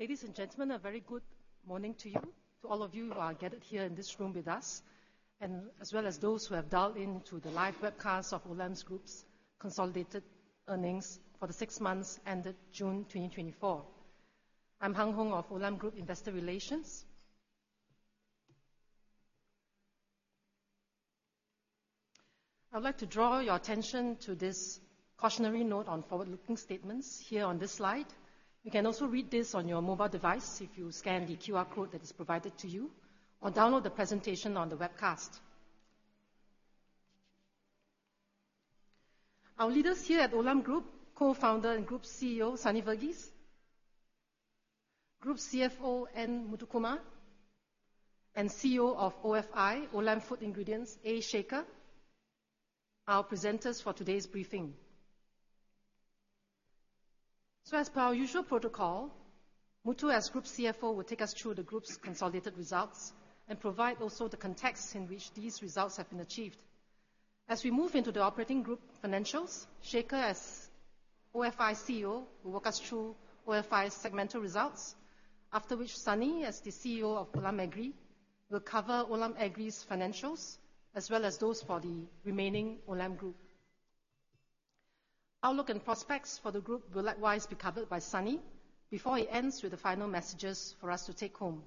Ladies and gentlemen, a very good morning to you, to all of you who are gathered here in this room with us, and as well as those who have dialed into the live webcast of Olam Group's consolidated earnings for the six months ended June 2024. I'm Hung Hoang of Olam Group Investor Relations. I'd like to draw your attention to this cautionary note on forward-looking statements here on this slide. You can also read this on your mobile device if you scan the QR code that is provided to you, or download the presentation on the webcast. Our leaders here at Olam Group, Co-founder and Group CEO, Sunny Verghese, Group CFO, N. Muthukumar, and CEO of OFI, Olam Food Ingredients, A. Shekhar, our presenters for today's briefing. So as per our usual protocol, Muthu, as Group CFO, will take us through the group's consolidated results and provide also the context in which these results have been achieved. As we move into the operating group financials, Shekhar, as OFI CEO, will walk us through OFI's segmental results, after which Sunny, as the CEO of Olam Agri, will cover Olam Agri's financials, as well as those for the remaining Olam Group. Outlook and prospects for the group will likewise be covered by Sunny before he ends with the final messages for us to take home.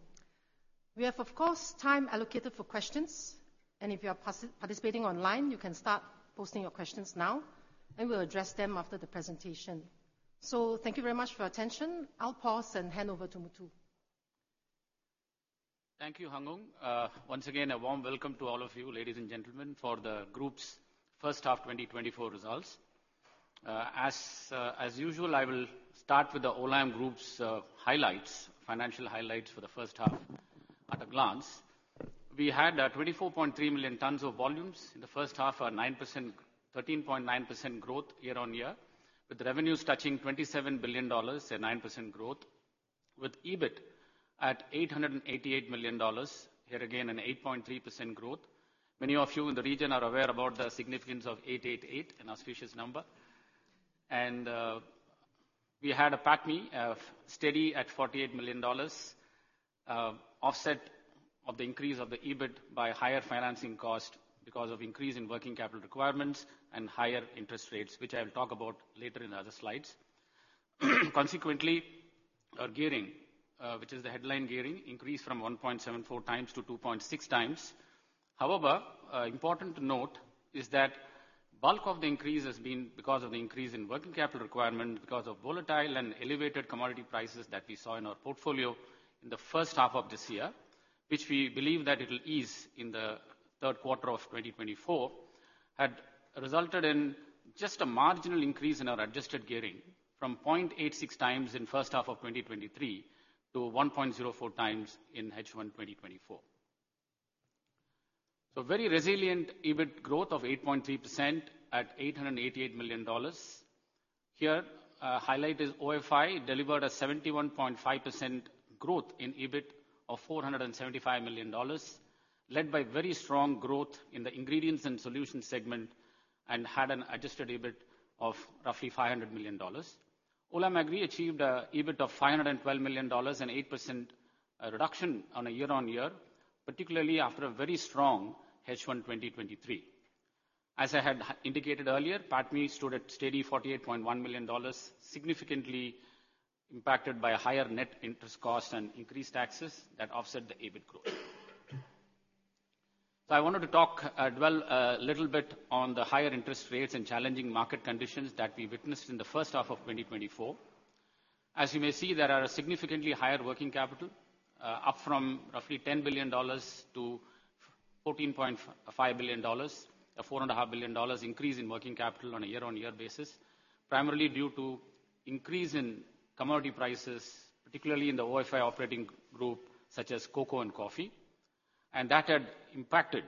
We have, of course, time allocated for questions, and if you are participating online, you can start posting your questions now, and we'll address them after the presentation. So thank you very much for your attention. I'll p. ause and hand over to Muthu. Thank you, Hung Hoang. Once again, a warm welcome to all of you, ladies and gentlemen, for the group's first half 2024 results. As usual, I will start with the Olam Group's highlights, financial highlights for the first half at a glance. We had 24.3 million tons of volumes in the first half, 9%, 13.9% growth year-on-year, with revenues touching $27 billion at 9% growth, with EBIT at $888 million. Here again, an 8.3% growth. Many of you in the region are aware about the significance of 888, an auspicious number. We had a PATMI steady at $48 million, offset of the increase of the EBIT by higher financing cost because of increase in working capital requirements and higher interest rates, which I'll talk about later in the other slides. Consequently, our gearing, which is the headline gearing, increased from 1.74 times to 2.6 times. However, important to note is that bulk of the increase has been because of the increase in working capital requirement, because of volatile and elevated commodity prices that we saw in our portfolio in the first half of this year, which we believe that it'll ease in the third quarter of 2024, had resulted in just a marginal increase in our adjusted gearing from 0.86 times in first half of 2023 to 1.04 times in H1 2024. So very resilient EBIT growth of 8.3% at $888 million. Here, highlight is OFI delivered a 71.5% growth in EBIT of $475 million, led by very strong growth in the ingredients and solutions segment, and had an adjusted EBIT of roughly $500 million. Olam Agri achieved a EBIT of $512 million, an 8% reduction on a year-on-year, particularly after a very strong H1 2023. As I had indicated earlier, PATMI stood at steady $48.1 million, significantly impacted by a higher net interest cost and increased taxes that offset the EBIT growth. So I wanted to talk, dwell, a little bit on the higher interest rates and challenging market conditions that we witnessed in the first half of 2024. As you may see, there are a significantly higher working capital, up from roughly $10 billion to $14.5 billion, a $4.5 billion increase in working capital on a year-on-year basis, primarily due to increase in commodity prices, particularly in the OFI operating group, such as cocoa and coffee, and that had impacted,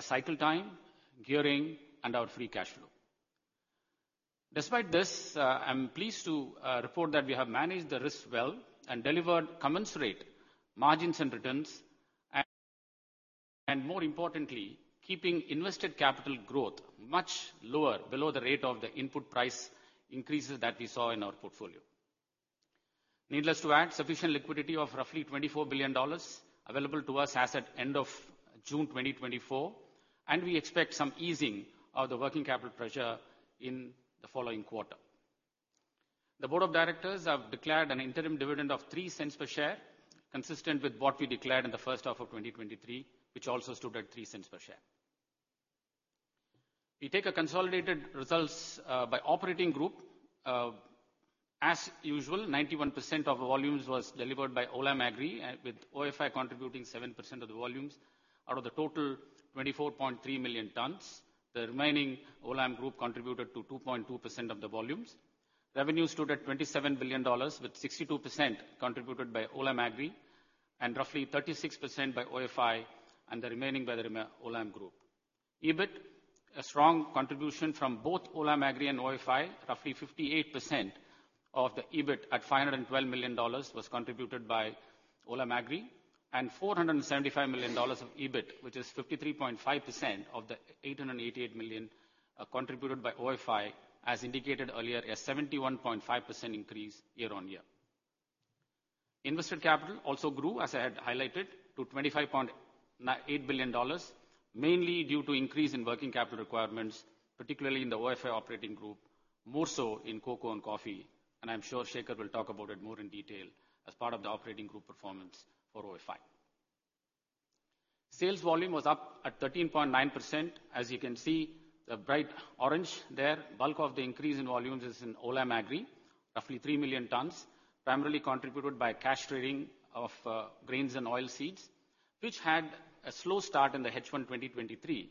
cycle time, gearing, and our free cash flow. Despite this, I'm pleased to report that we have managed the risk well and delivered commensurate margins and returns, and, and more importantly, keeping invested capital growth much lower, below the rate of the input price increases that we saw in our portfolio. Needless to add, sufficient liquidity of roughly $24 billion available to us as at end of June 2024, and we expect some easing of the working capital pressure in the following quarter. The board of directors have declared an interim dividend of 3 cents per share, consistent with what we declared in the first half of 2023, which also stood at 3 cents per share. We take a consolidated results by operating group. As usual, 91% of volumes was delivered by Olam Agri, and with OFI contributing 7% of the volumes out of the total 24.3 million tons. The remaining Olam Group contributed to 2.2% of the volumes. Revenue stood at $27 billion, with 62% contributed by Olam Agri, and roughly 36% by OFI, and the remaining by the rema- Olam Group. EBIT, a strong contribution from both Olam Agri and OFI. Roughly 58% of the EBIT at $512 million was contributed by-... Olam Agri, and $475 million of EBIT, which is 53.5% of the $888 million contributed by OFI, as indicated earlier, a 71.5% increase year-on-year. Invested capital also grew, as I had highlighted, to $25.8 billion, mainly due to increase in working capital requirements, particularly in the OFI operating group, more so in cocoa and coffee, and I'm sure Shekhar will talk about it more in detail as part of the operating group performance for OFI. Sales volume was up at 13.9%. As you can see, the bright orange there, bulk of the increase in volumes is in Olam Agri, roughly 3,000,000 tons, primarily contributed by cash trading of grains and oilseeds. Which had a slow start in the H1 2023,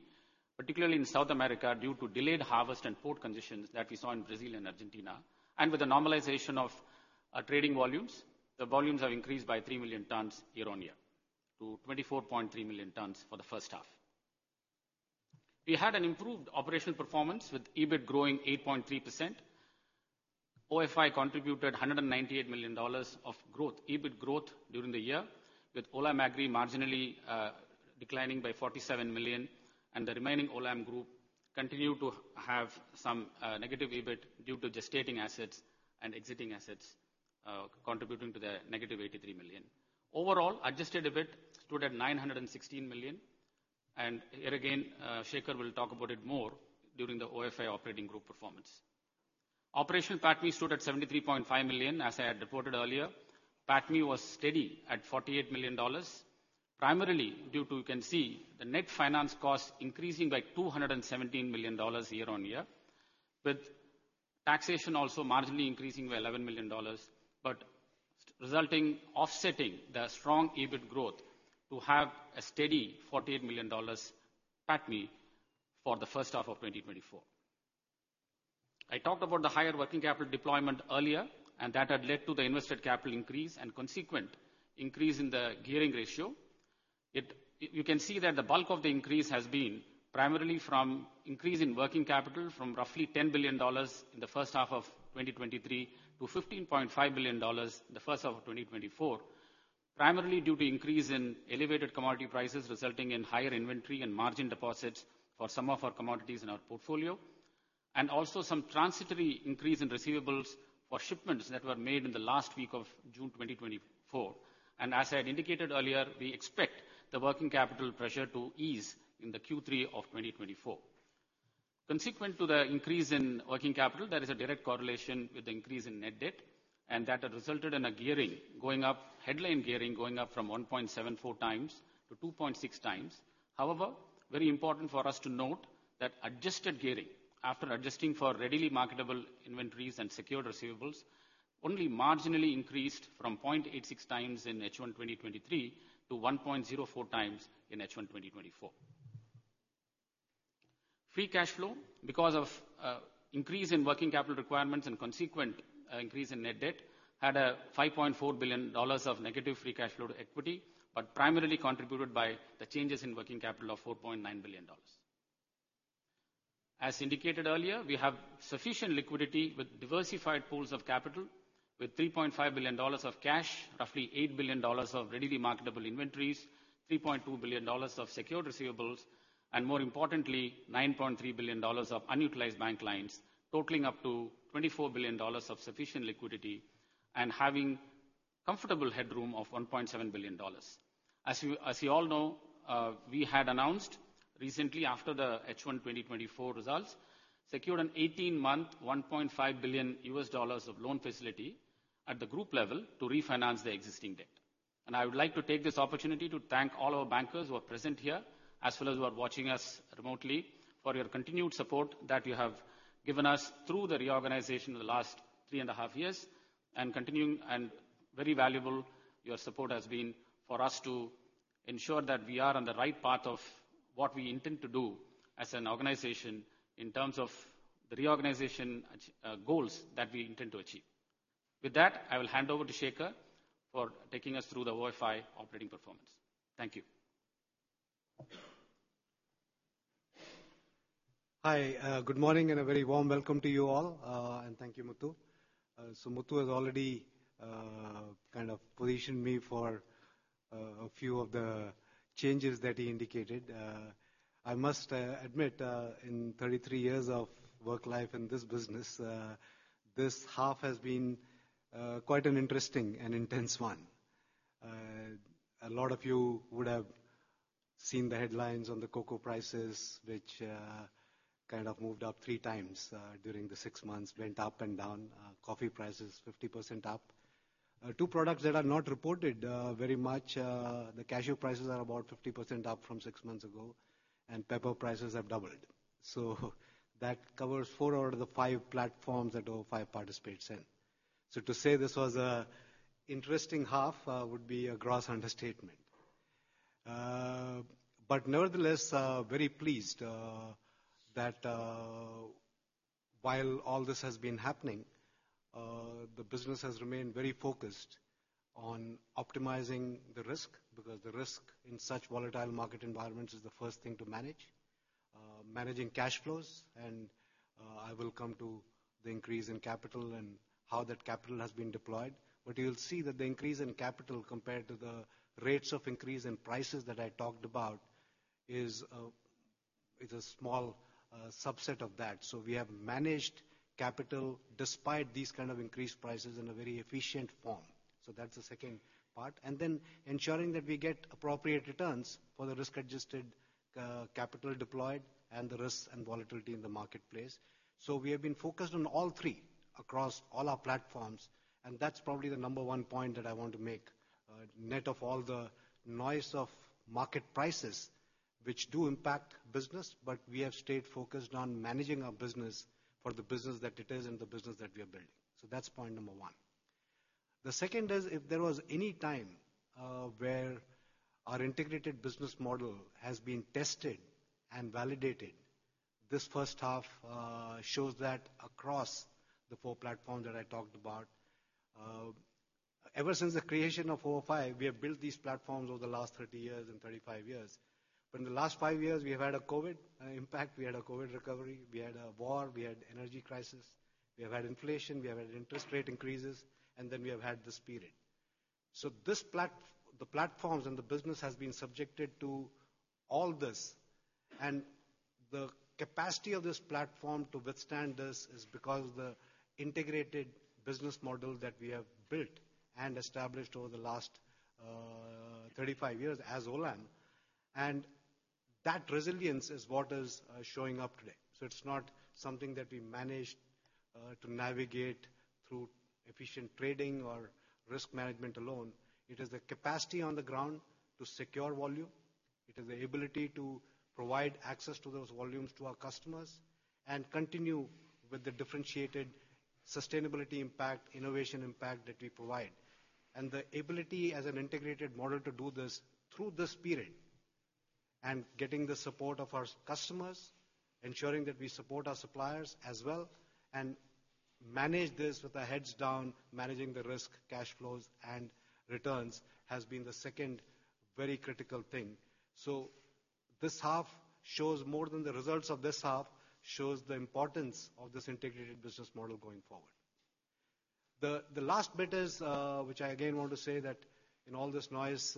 particularly in South America, due to delayed harvest and port conditions that we saw in Brazil and Argentina. And with the normalization of our trading volumes, the volumes have increased by 3 million tonnes year-on-year, to 24.3 million tonnes for the first half. We had an improved operational performance, with EBIT growing 8.3%. OFI contributed $198 million of growth, EBIT growth, during the year, with Olam Agri marginally declining by $47 million, and the remaining Olam Group continue to have some negative EBIT due to gestating assets and exiting assets contributing to the negative $83 million. Overall, adjusted EBIT stood at $916 million. And here again, Shekhar will talk about it more during the OFI operating group performance. Operational PATMI stood at $73.5 million, as I had reported earlier. PATMI was steady at $48 million, primarily due to, you can see, the net finance costs increasing by $217 million year-on-year, with taxation also marginally increasing by $11 million, but resulting offsetting the strong EBIT growth to have a steady $48 million PATMI for the first half of 2024. I talked about the higher working capital deployment earlier, and that had led to the invested capital increase and consequent increase in the gearing ratio. You can see that the bulk of the increase has been primarily from increase in working capital from roughly $10 billion in the first half of 2023 to $15.5 billion in the first half of 2024. Primarily due to increase in elevated commodity prices, resulting in higher inventory and margin deposits for some of our commodities in our portfolio, and also some transitory increase in receivables for shipments that were made in the last week of June 2024. And as I had indicated earlier, we expect the working capital pressure to ease in the Q3 of 2024. Consequent to the increase in working capital, there is a direct correlation with the increase in net debt, and that had resulted in a gearing going up, headline gearing going up from 1.74 times to 2.6 times. However, very important for us to note that adjusted gearing, after adjusting for readily marketable inventories and secured receivables, only marginally increased from 0.86 times in H1 2023, to 1.04 times in H1 2024. Free cash flow, because of, increase in working capital requirements and consequent, increase in net debt, had a $5.4 billion of negative free cash flow to equity, but primarily contributed by the changes in working capital of $4.9 billion. As indicated earlier, we have sufficient liquidity with diversified pools of capital, with $3.5 billion of cash, roughly $8 billion of readily marketable inventories, $3.2 billion of secured receivables, and more importantly, $9.3 billion of unutilized bank lines, totaling up to $24 billion of sufficient liquidity, and having comfortable headroom of $1.7 billion. As you all know, we had announced recently, after the H1 2024 results, secured an 18-month, $1.5 billion loan facility at the group level to refinance the existing debt. I would like to take this opportunity to thank all our bankers who are present here, as well as who are watching us remotely, for your continued support that you have given us through the reorganization of the last three and a half years, and continuing, and very valuable your support has been for us to ensure that we are on the right path of what we intend to do as an organization in terms of the reorganization goals that we intend to achieve. With that, I will hand over to Shekhar for taking us through the OFI operating performance. Thank you. Hi, good morning, and a very warm welcome to you all, and thank you, Muthu. So Muthu has already kind of positioned me for a few of the changes that he indicated. I must admit, in 33 years of work life in this business, this half has been quite an interesting and intense one. A lot of you would have seen the headlines on the cocoa prices, which kind of moved up three times during the six months, went up and down. Coffee prices, 50% up. Two products that are not reported very much, the cashew prices are about 50% up from six months ago, and pepper prices have doubled. So that covers four out of the five platforms that OFI participates in. To say this was an interesting half would be a gross understatement. But nevertheless, very pleased that while all this has been happening, the business has remained very focused on optimizing the risk, because the risk in such volatile market environments is the first thing to manage, managing cash flows, and I will come to the increase in capital and how that capital has been deployed. But you'll see that the increase in capital compared to the rates of increase in prices that I talked about is a small subset of that. So we have managed capital despite these kind of increased prices in a very efficient form. So that's the second part. And then ensuring that we get appropriate returns for the risk-adjusted capital deployed and the risks and volatility in the marketplace. So we have been focused on all three across all our platforms, and that's probably the number 1 point that I want to make. Net of all the noise of market prices, which do impact business, but we have stayed focused on managing our business for the business that it is and the business that we are building. So that's point number one. The second is, if there was any time where our integrated business model has been tested and validated, this first half shows that across the 4 platforms that I talked about. Ever since the creation of OFI, we have built these platforms over the last 30 years and 35 years. But in the last 5 years, we have had a COVID impact, we had a COVID recovery, we had a war, we had energy crisis, we have had inflation, we have had interest rate increases, and then we have had this period. So the platforms and the business has been subjected to all this, and the capacity of this platform to withstand this is because the integrated business model that we have built and established over the last 35 years as Olam. And that resilience is what is showing up today. So it's not something that we managed to navigate through efficient trading or risk management alone. It is the capacity on the ground to secure volume. It is the ability to provide access to those volumes to our customers, and continue with the differentiated sustainability impact, innovation impact that we provide. And the ability as an integrated model to do this through this period, and getting the support of our customers, ensuring that we support our suppliers as well, and manage this with our heads down, managing the risk, cash flows, and returns, has been the second very critical thing. So this half shows more than the results of this half, shows the importance of this integrated business model going forward. The last bit is, which I again want to say that in all this noise,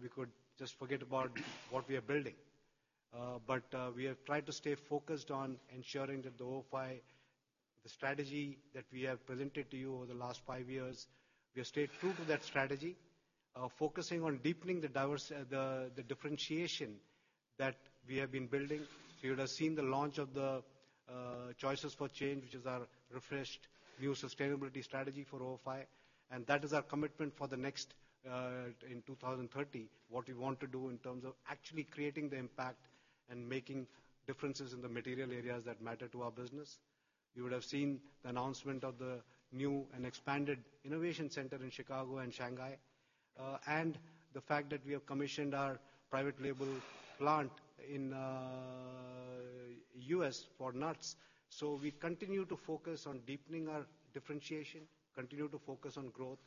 we could just forget about what we are building. But, we have tried to stay focused on ensuring that the OFI, the strategy that we have presented to you over the last five years, we have stayed true to that strategy, focusing on deepening the differentiation that we have been building. So you would have seen the launch of the, Choices for Change, which is our refreshed new sustainability strategy for OFI, and that is our commitment for the next, in 2030, what we want to do in terms of actually creating the impact and making differences in the material areas that matter to our business. You would have seen the announcement of the new and expanded innovation center in Chicago and Shanghai, and the fact that we have commissioned our private label plant in, US for nuts. So we continue to focus on deepening our differentiation, continue to focus on growth,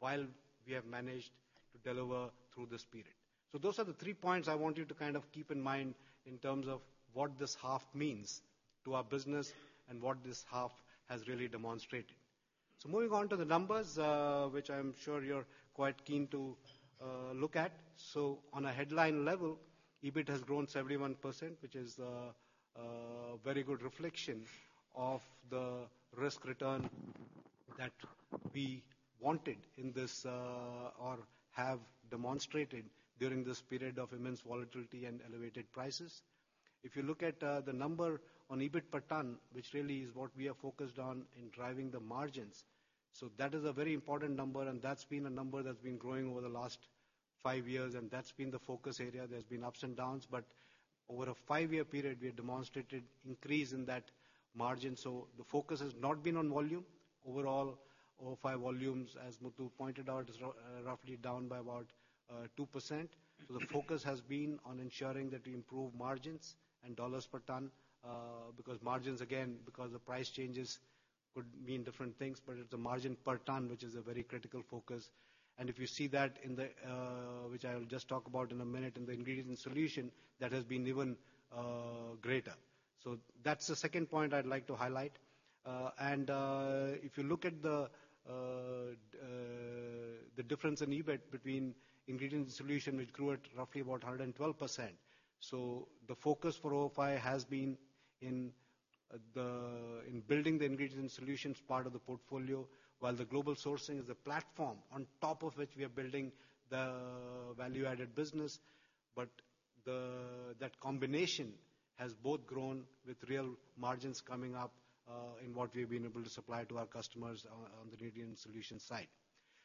while we have managed to deliver through this period. So those are the three points I want you to kind of keep in mind in terms of what this half means to our business and what this half has really demonstrated. So moving on to the numbers, which I'm sure you're quite keen to look at. So on a headline level, EBIT has grown 71%, which is a very good reflection of the risk return that we wanted in this or have demonstrated during this period of immense volatility and elevated prices. If you look at the number on EBIT per ton, which really is what we are focused on in driving the margins. So that is a very important number, and that's been a number that's been growing over the last five years, and that's been the focus area. There's been ups and downs, but over a five-year period, we have demonstrated increase in that margin, so the focus has not been on volume. Overall, OFI volumes, as Muthu pointed out, is roughly down by about 2%. So the focus has been on ensuring that we improve margins and dollars per ton, because margins, again, because the price changes could mean different things, but it's a margin per ton, which is a very critical focus. And if you see that in the ingredients and solution, which I will just talk about in a minute, that has been even greater. So that's the second point I'd like to highlight. And if you look at the difference in EBIT between ingredients and solution, which grew at roughly about 112%. So the focus for OFI has been in building the ingredients and solutions part of the portfolio, while the global sourcing is a platform on top of which we are building the value-added business. But that combination has both grown with real margins coming up in what we've been able to supply to our customers on the ingredient solution side.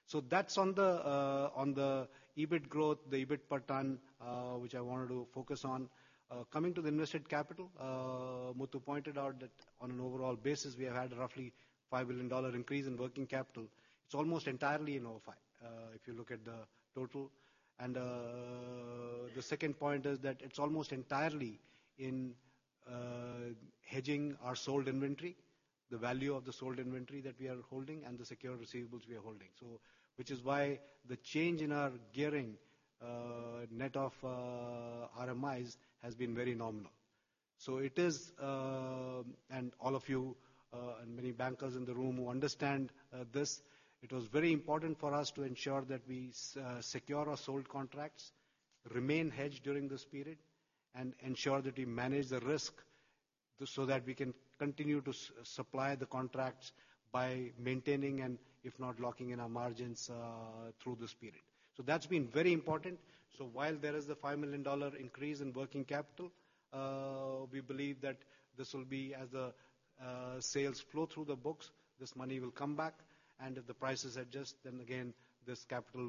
So that's on the EBIT growth, the EBIT per ton, which I wanted to focus on. Coming to the invested capital, Muthu pointed out that on an overall basis, we have had a roughly $5 billion increase in working capital. It's almost entirely in OFI, if you look at the total. And the second point is that it's almost entirely in hedging our sold inventory, the value of the sold inventory that we are holding, and the secured receivables we are holding. So which is why the change in our gearing, net of RMIs, has been very nominal. So it is, and all of you, and many bankers in the room who understand, this, it was very important for us to ensure that we secure our sold contracts, remain hedged during this period, and ensure that we manage the risk, so that we can continue to supply the contracts by maintaining and if not locking in our margins, through this period. So that's been very important. So while there is a $5 million increase in working capital, we believe that this will be as the, sales flow through the books, this money will come back, and if the prices adjust, then again, this capital,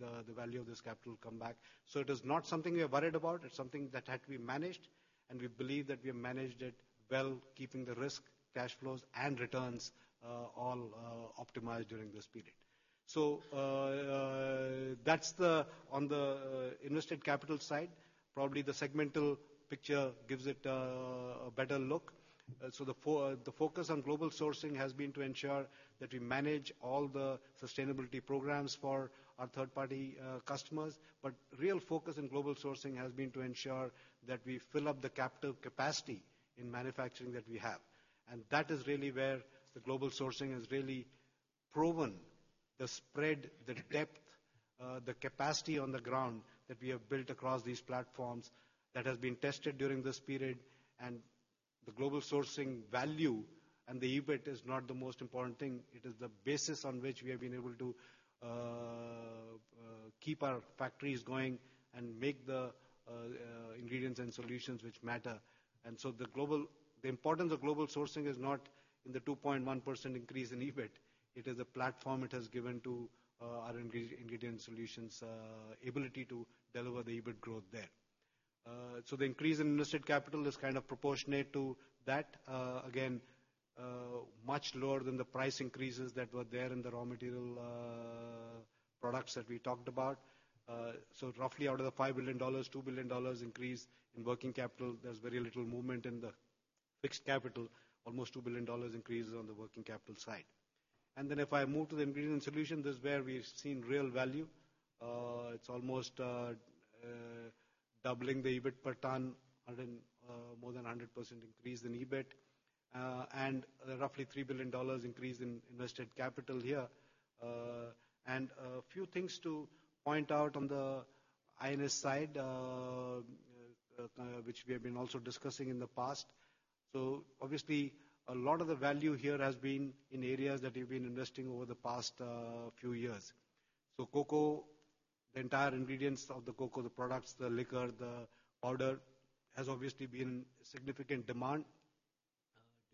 the, the value of this capital will come back. So it is not something we are worried about, it's something that had to be managed, and we believe that we have managed it well, keeping the risk, cash flows, and returns, all, optimized during this period. So, that's the on the, invested capital side. Probably, the segmental picture gives it, a better look. So the focus on global sourcing has been to ensure that we manage all the sustainability programs for our third-party, customers. But real focus in global sourcing has been to ensure that we fill up the capital capacity in manufacturing that we have. And that is really where the global sourcing has really proven the spread, the depth, the capacity on the ground that we have built across these platforms that has been tested during this period. And the global sourcing value and the EBIT is not the most important thing. It is the basis on which we have been able to keep our factories going and make the ingredients and solutions which matter. And so the importance of global sourcing is not in the 2.1% increase in EBIT. It is a platform it has given to our ingredient solutions ability to deliver the EBIT growth there. So the increase in invested capital is kind of proportionate to that. Again, much lower than the price increases that were there in the raw material products that we talked about. So roughly out of the $5 billion, $2 billion increase in working capital, there's very little movement in the fixed capital, almost $2 billion increases on the working capital side. And then if I move to the ingredient solution, this is where we've seen real value. It's almost doubling the EBIT per ton, 100 more than 100% increase in EBIT, and roughly $3 billion increase in invested capital here. And a few things to point out on the OFI side, which we have been also discussing in the past. So obviously, a lot of the value here has been in areas that we've been investing over the past few years. So cocoa, the entire ingredients of the cocoa, the products, the liquor, the powder, has obviously been in significant demand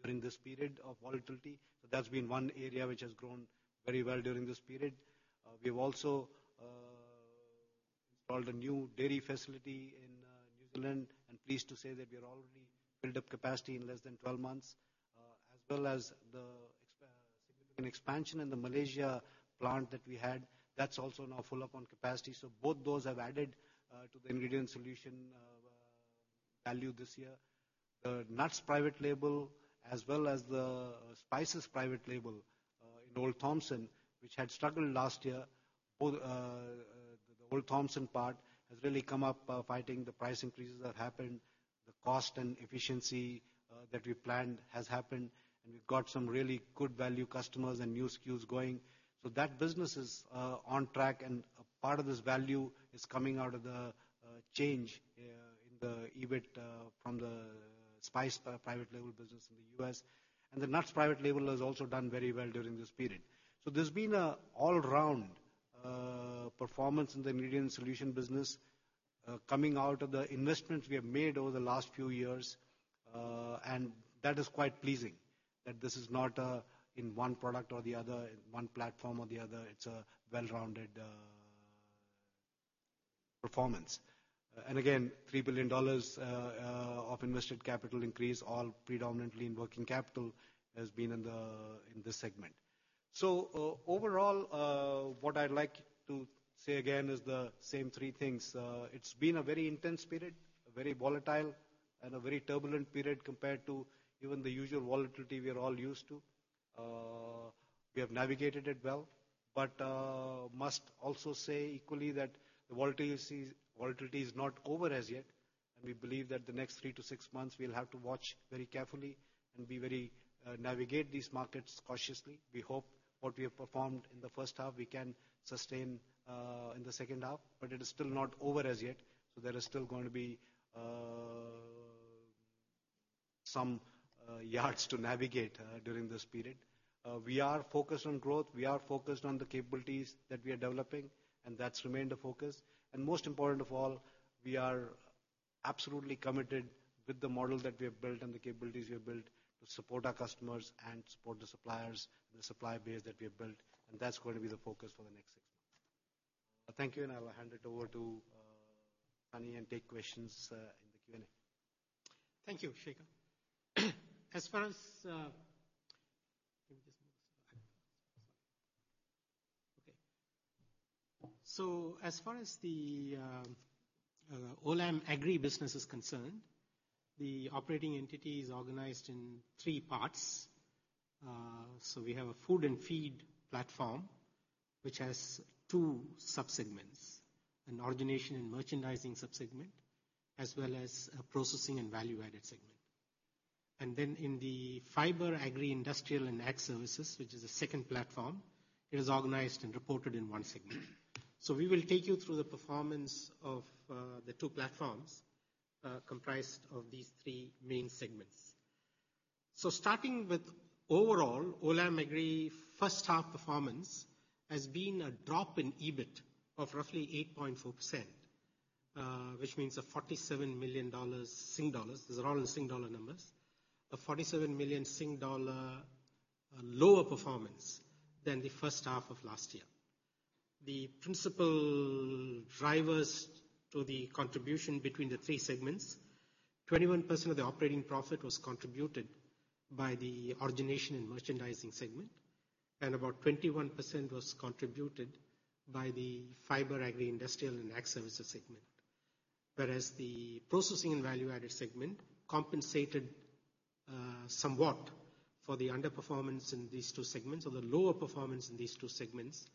during this period of volatility. That's been one area which has grown very well during this period. We've also installed a new dairy facility in New Zealand, and pleased to say that we are already built up capacity in less than 12 months, as well as an expansion in the Malaysia plant that we had, that's also now full up on capacity. So both those have added to the ingredient solution value this year. The nuts private label, as well as the spices private label, in Olde Thompson, which had struggled last year, the Olde Thompson part has really come up, fighting the price increases that happened, the cost and efficiency that we planned has happened, and we've got some really good value customers and new SKUs going. So that business is on track, and a part of this value is coming out of the change in the EBIT from the spice private label business in the U.S. And the nuts private label has also done very well during this period. So there's been an all-round performance in the ingredient solution business, coming out of the investments we have made over the last few years, and that is quite pleasing, that this is not in one product or the other, one platform or the other, it's a well-rounded performance. And again, $3 billion of invested capital increase, all predominantly in working capital, has been in this segment. So, overall, what I'd like to say again, is the same 3 things. It's been a very intense period, a very volatile, and a very turbulent period compared to even the usual volatility we are all used to. We have navigated it well, but must also say equally that the volatility is not over as yet, and we believe that the next 3-6 months, we'll have to watch very carefully and be very navigate these markets cautiously. We hope what we have performed in the first half, we can sustain in the second half, but it is still not over as yet, so there is still going to be some yet to navigate during this period. We are focused on growth, we are focused on the capabilities that we are developing, and that's remained a focus. Most important of all, we are absolutely committed with the model that we have built and the capabilities we have built to support our customers and support the suppliers, the supply base that we have built, and that's going to be the focus for the next six months. Thank you, and I'll hand it over to Sunny, and take questions, in the Q&A. Thank you, Shekhar. As far as, so as far as the Olam Agri business is concerned, the operating entity is organized in three parts. So we have a food and feed platform, which has two sub-segments: an origination and merchandising sub-segment, as well as a processing and value-added segment. And then in the fiber, agri-industrial, and ag services, which is a second platform, it is organized and reported in one segment. So we will take you through the performance of the two platforms, comprised of these three main segments. So starting with overall, Olam Agri first half performance has been a drop in EBIT of roughly 8.4%, which means a 47 million dollars. These are all in Singapore dollar numbers. A 47 million Sing dollar lower performance than the first half of last year. The principal drivers to the contribution between the three segments, 21% of the operating profit was contributed by the origination and merchandising segment, and about 21% was contributed by the fiber, agri-industrial, and ag services segment. Whereas the processing and value-added segment compensated somewhat for the underperformance in these two segments or the lower performance in these two segments,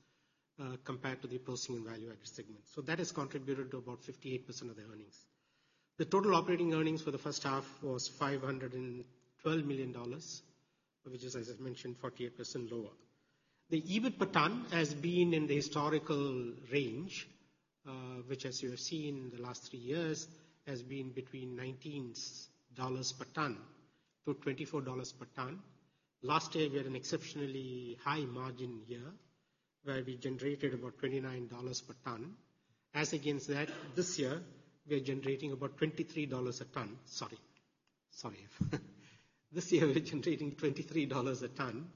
compared to the processing and value-added segment. So that has contributed to about 58% of the earnings. The total operating earnings for the first half was $512 million, which is, as I mentioned, 48% lower. The EBIT per ton has been in the historical range, which, as you have seen in the last three years, has been between $19 per ton to $24 per ton. Last year, we had an exceptionally high margin year, where we generated about $29 per ton. As against that, this year, we are generating about $23 a ton. Sorry, sorry. This year, we're generating $23 a ton,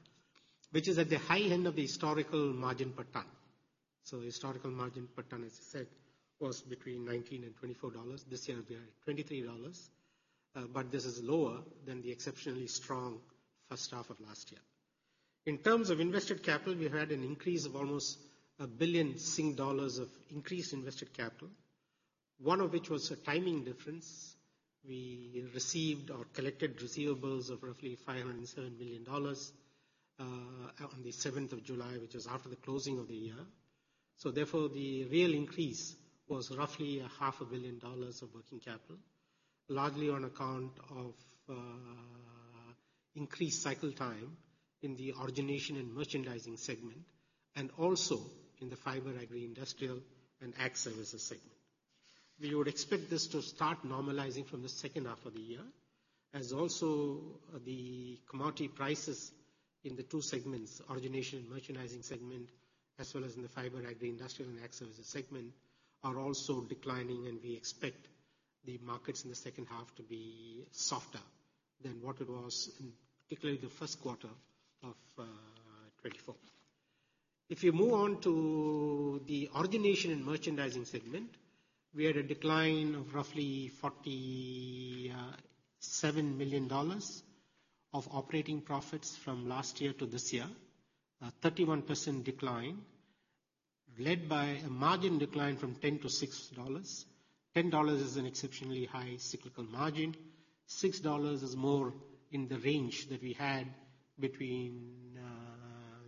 which is at the high end of the historical margin per ton. So the historical margin per ton, as I said, was between $19 and $24. This year, we are at $23, but this is lower than the exceptionally strong first half of last year. In terms of invested capital, we had an increase of almost 1 billion Sing dollars of increased invested capital, one of which was a timing difference. We received or collected receivables of roughly $507 million on the seventh of July, which is after the closing of the year. Therefore, the real increase was roughly $500 million of working capital, largely on account of increased cycle time in the origination and merchandising segment, and also in the fiber, agri-industrial, and ag services segment. We would expect this to start normalizing from the second half of the year, as also the commodity prices in the two segments, origination and merchandising segment, as well as in the fiber, agri-industrial, and ag services segment, are also declining, and we expect the markets in the second half to be softer than what it was, in particularly, the first quarter of 2024. If you move on to the origination and merchandising segment, we had a decline of roughly $47 million of operating profits from last year to this year. A 31% decline, led by a margin decline from $10 to $6. $10 is an exceptionally high cyclical margin. $6 is more in the range that we had between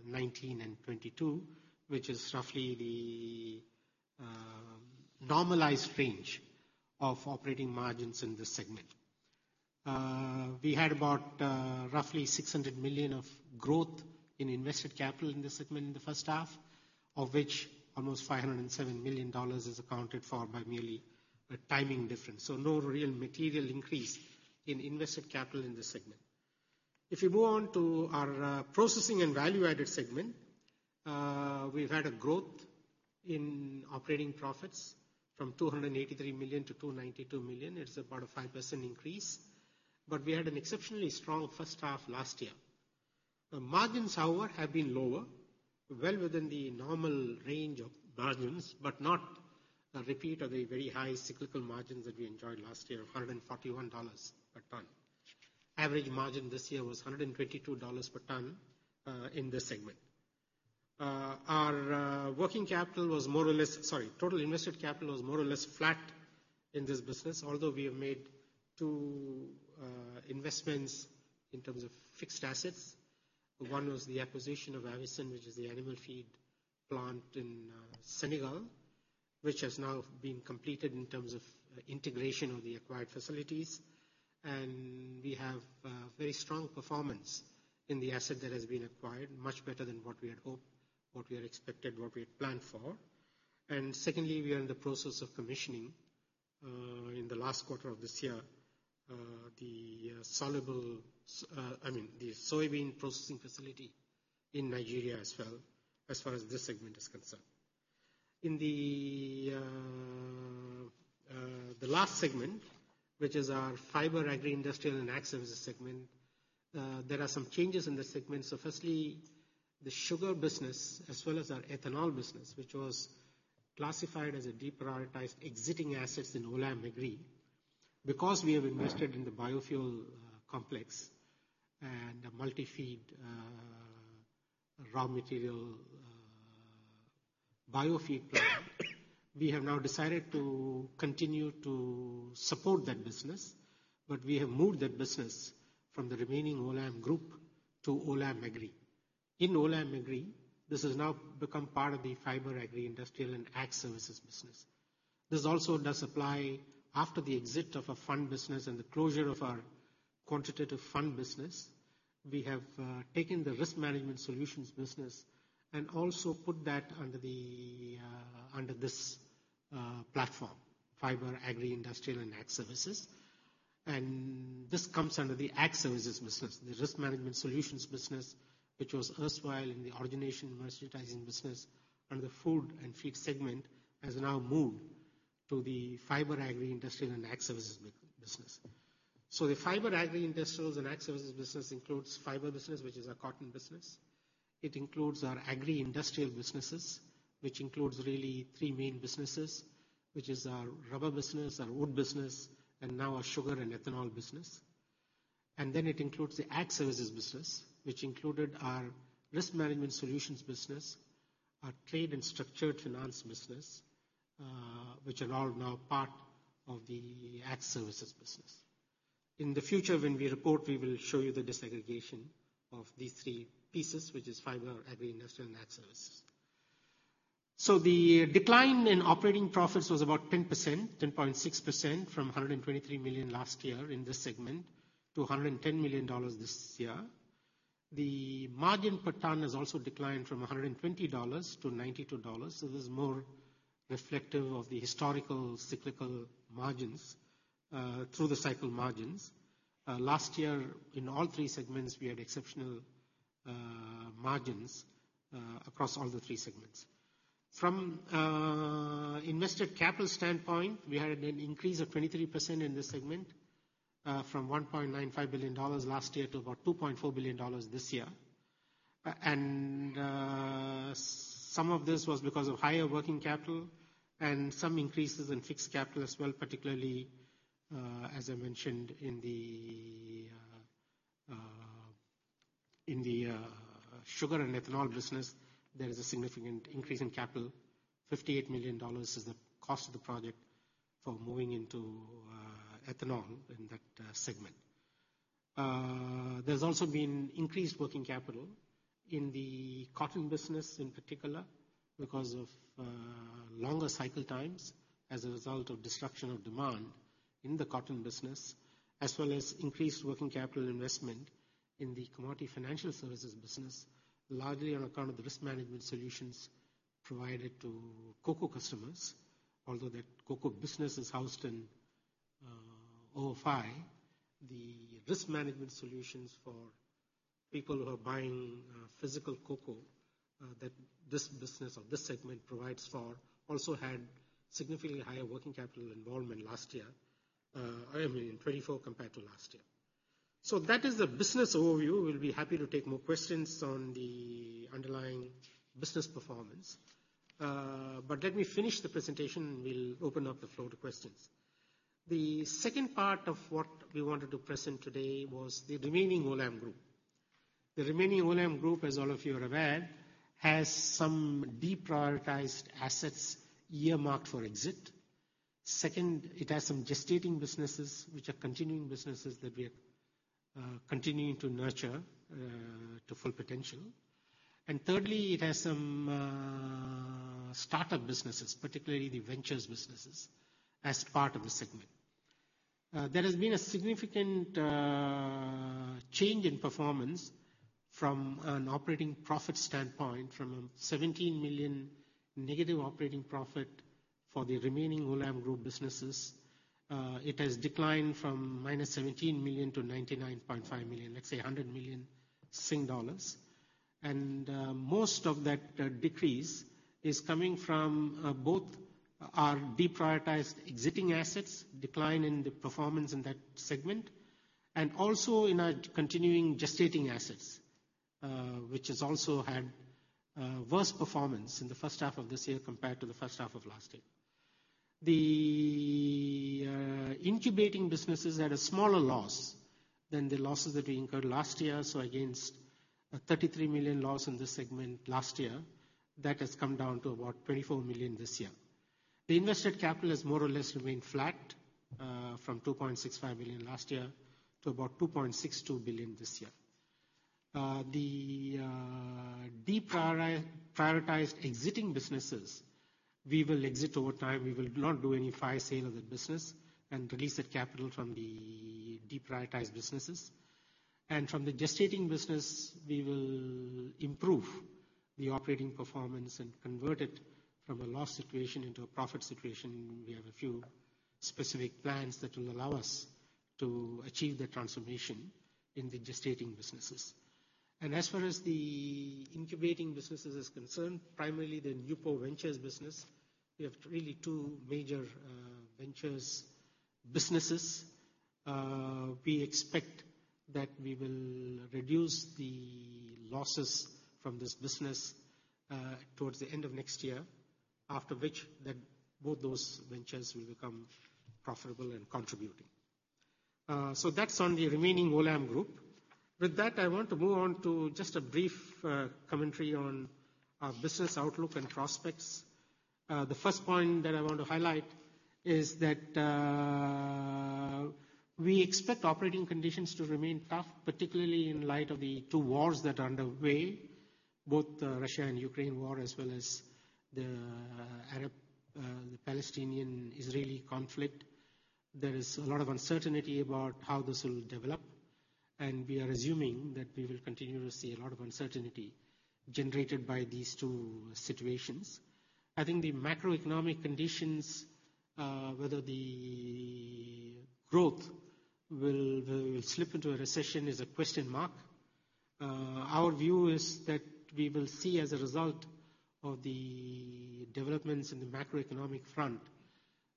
2019 and 2022, which is roughly the normalized range of operating margins in this segment. We had about roughly $600 million of growth in invested capital in this segment in the first half, of which almost $507 million is accounted for by merely a timing difference, so no real material increase in invested capital in this segment. If you move on to our processing and value-added segment, we've had a growth in operating profits from $283 million to $292 million. It's about a 5% increase, but we had an exceptionally strong first half last year. The margins, however, have been lower, well within the normal range of margins, but not a repeat of the very high cyclical margins that we enjoyed last year of $141 per ton. Average margin this year was $122 per ton in this segment. Our working capital was more or less... Sorry, total invested capital was more or less flat in this business, although we have made two investments in terms of fixed assets. One was the acquisition of Avisen, which is the animal feed plant in Senegal, which has now been completed in terms of integration of the acquired facilities. And we have very strong performance in the asset that has been acquired, much better than what we had hoped, what we had expected, what we had planned for. And secondly, we are in the process of commissioning in the last quarter of this year the soluble, I mean, the soybean processing facility in Nigeria as well, as far as this segment is concerned. In the last segment, which is our fiber, agri-industrial, and ag services segment, there are some changes in this segment. So firstly, the sugar business as well as our ethanol business, which was classified as a deprioritized exiting assets in Olam Agri. Because we have invested in the biofuel complex and the multi-feed raw material biofeed. We have now decided to continue to support that business, but we have moved that business from the remaining Olam Group to Olam Agri. In Olam Agri, this has now become part of the fiber agri-industrial and ag services business. This also does apply after the exit of a fund business and the closure of our quantitative fund business. We have taken the risk management solutions business and also put that under the under this platform, fiber, agri-industrial, and ag services. And this comes under the ag services business, the risk management solutions business, which was erstwhile in the origination and merchandising business, and the food and feed segment has now moved to the fiber agri-industrial and ag services business. So the fiber agri-industrials and ag services business includes fiber business, which is our cotton business. It includes our agri-industrial businesses, which includes really three main businesses, which is our rubber business, our wood business, and now our sugar and ethanol business. And then it includes the ag services business, which included our risk management solutions business, our trade and structured finance business, which are all now part of the ag services business. In the future, when we report, we will show you the disaggregation of these three pieces, which is fiber, agri-industrial, and ag services. So the decline in operating profits was about 10%, 10.6%, from $123 million last year in this segment, to $110 million this year. The margin per ton has also declined from $120 to $92, so this is more reflective of the historical cyclical margins, through the cycle margins. Last year, in all three segments, we had exceptional margins across all the three segments. From invested capital standpoint, we had an increase of 23% in this segment, from $1.95 billion last year to about $2.4 billion this year. And some of this was because of higher working capital and some increases in fixed capital as well, particularly, as I mentioned, in the sugar and ethanol business, there is a significant increase in capital. $58 million is the cost of the project for moving into ethanol in that segment. There's also been increased working capital in the cotton business in particular, because of longer cycle times as a result of destruction of demand in the cotton business, as well as increased working capital investment in the commodity financial services business, largely on account of the risk management solutions provided to cocoa customers. Although that cocoa business is housed in OFI, the risk management solutions for people who are buying physical cocoa that this business or this segment provides for also had significantly higher working capital involvement last year, I mean, 24 compared to last year. So that is the business overview. We'll be happy to take more questions on the underlying business performance. But let me finish the presentation, and we'll open up the floor to questions. The second part of what we wanted to present today was the remaining Olam Group. The remaining Olam Group, as all of you are aware, has some deprioritized assets earmarked for exit. Second, it has some gestating businesses, which are continuing businesses that we are continuing to nurture to full potential. And thirdly, it has some startup businesses, particularly the ventures businesses, as part of the segment. There has been a significant change in performance from an operating profit standpoint, from a 17 million negative operating profit for the remaining Olam Group businesses. It has declined from -17 million to -99.5 million, let's say -100 million Sing dollars. Most of that decrease is coming from both our deprioritized, exiting assets, decline in the performance in that segment, and also in our continuing gestating assets, which has also had worse performance in the first half of this year compared to the first half of last year. The incubating businesses at a smaller loss than the losses that we incurred last year. So against a 33 million loss in this segment last year, that has come down to about 24 million this year. The invested capital has more or less remained flat from $2.65 billion last year to about $2.62 billion this year. The deprioritized exiting businesses, we will exit over time. We will not do any fire sale of the business and release that capital from the deprioritized businesses. And from the gestating business, we will improve the operating performance and convert it from a loss situation into a profit situation. We have a few specific plans that will allow us to achieve that transformation in the gestating businesses. And as far as the incubating businesses is concerned, primarily the Nupo Ventures business, we have really two major ventures businesses. We expect that we will reduce the losses from this business towards the end of next year after which then both those ventures will become profitable and contributing. So that's on the remaining Olam Group. With that, I want to move on to just a brief commentary on our business outlook and prospects. The first point that I want to highlight is that we expect operating conditions to remain tough, particularly in light of the two wars that are underway, both the Russia and Ukraine war, as well as the Arab, the Palestinian-Israeli conflict. There is a lot of uncertainty about how this will develop, and we are assuming that we will continue to see a lot of uncertainty generated by these two situations. I think the macroeconomic conditions, whether growth will slip into a recession is a question mark. Our view is that we will see as a result of these developments in the macroeconomic front,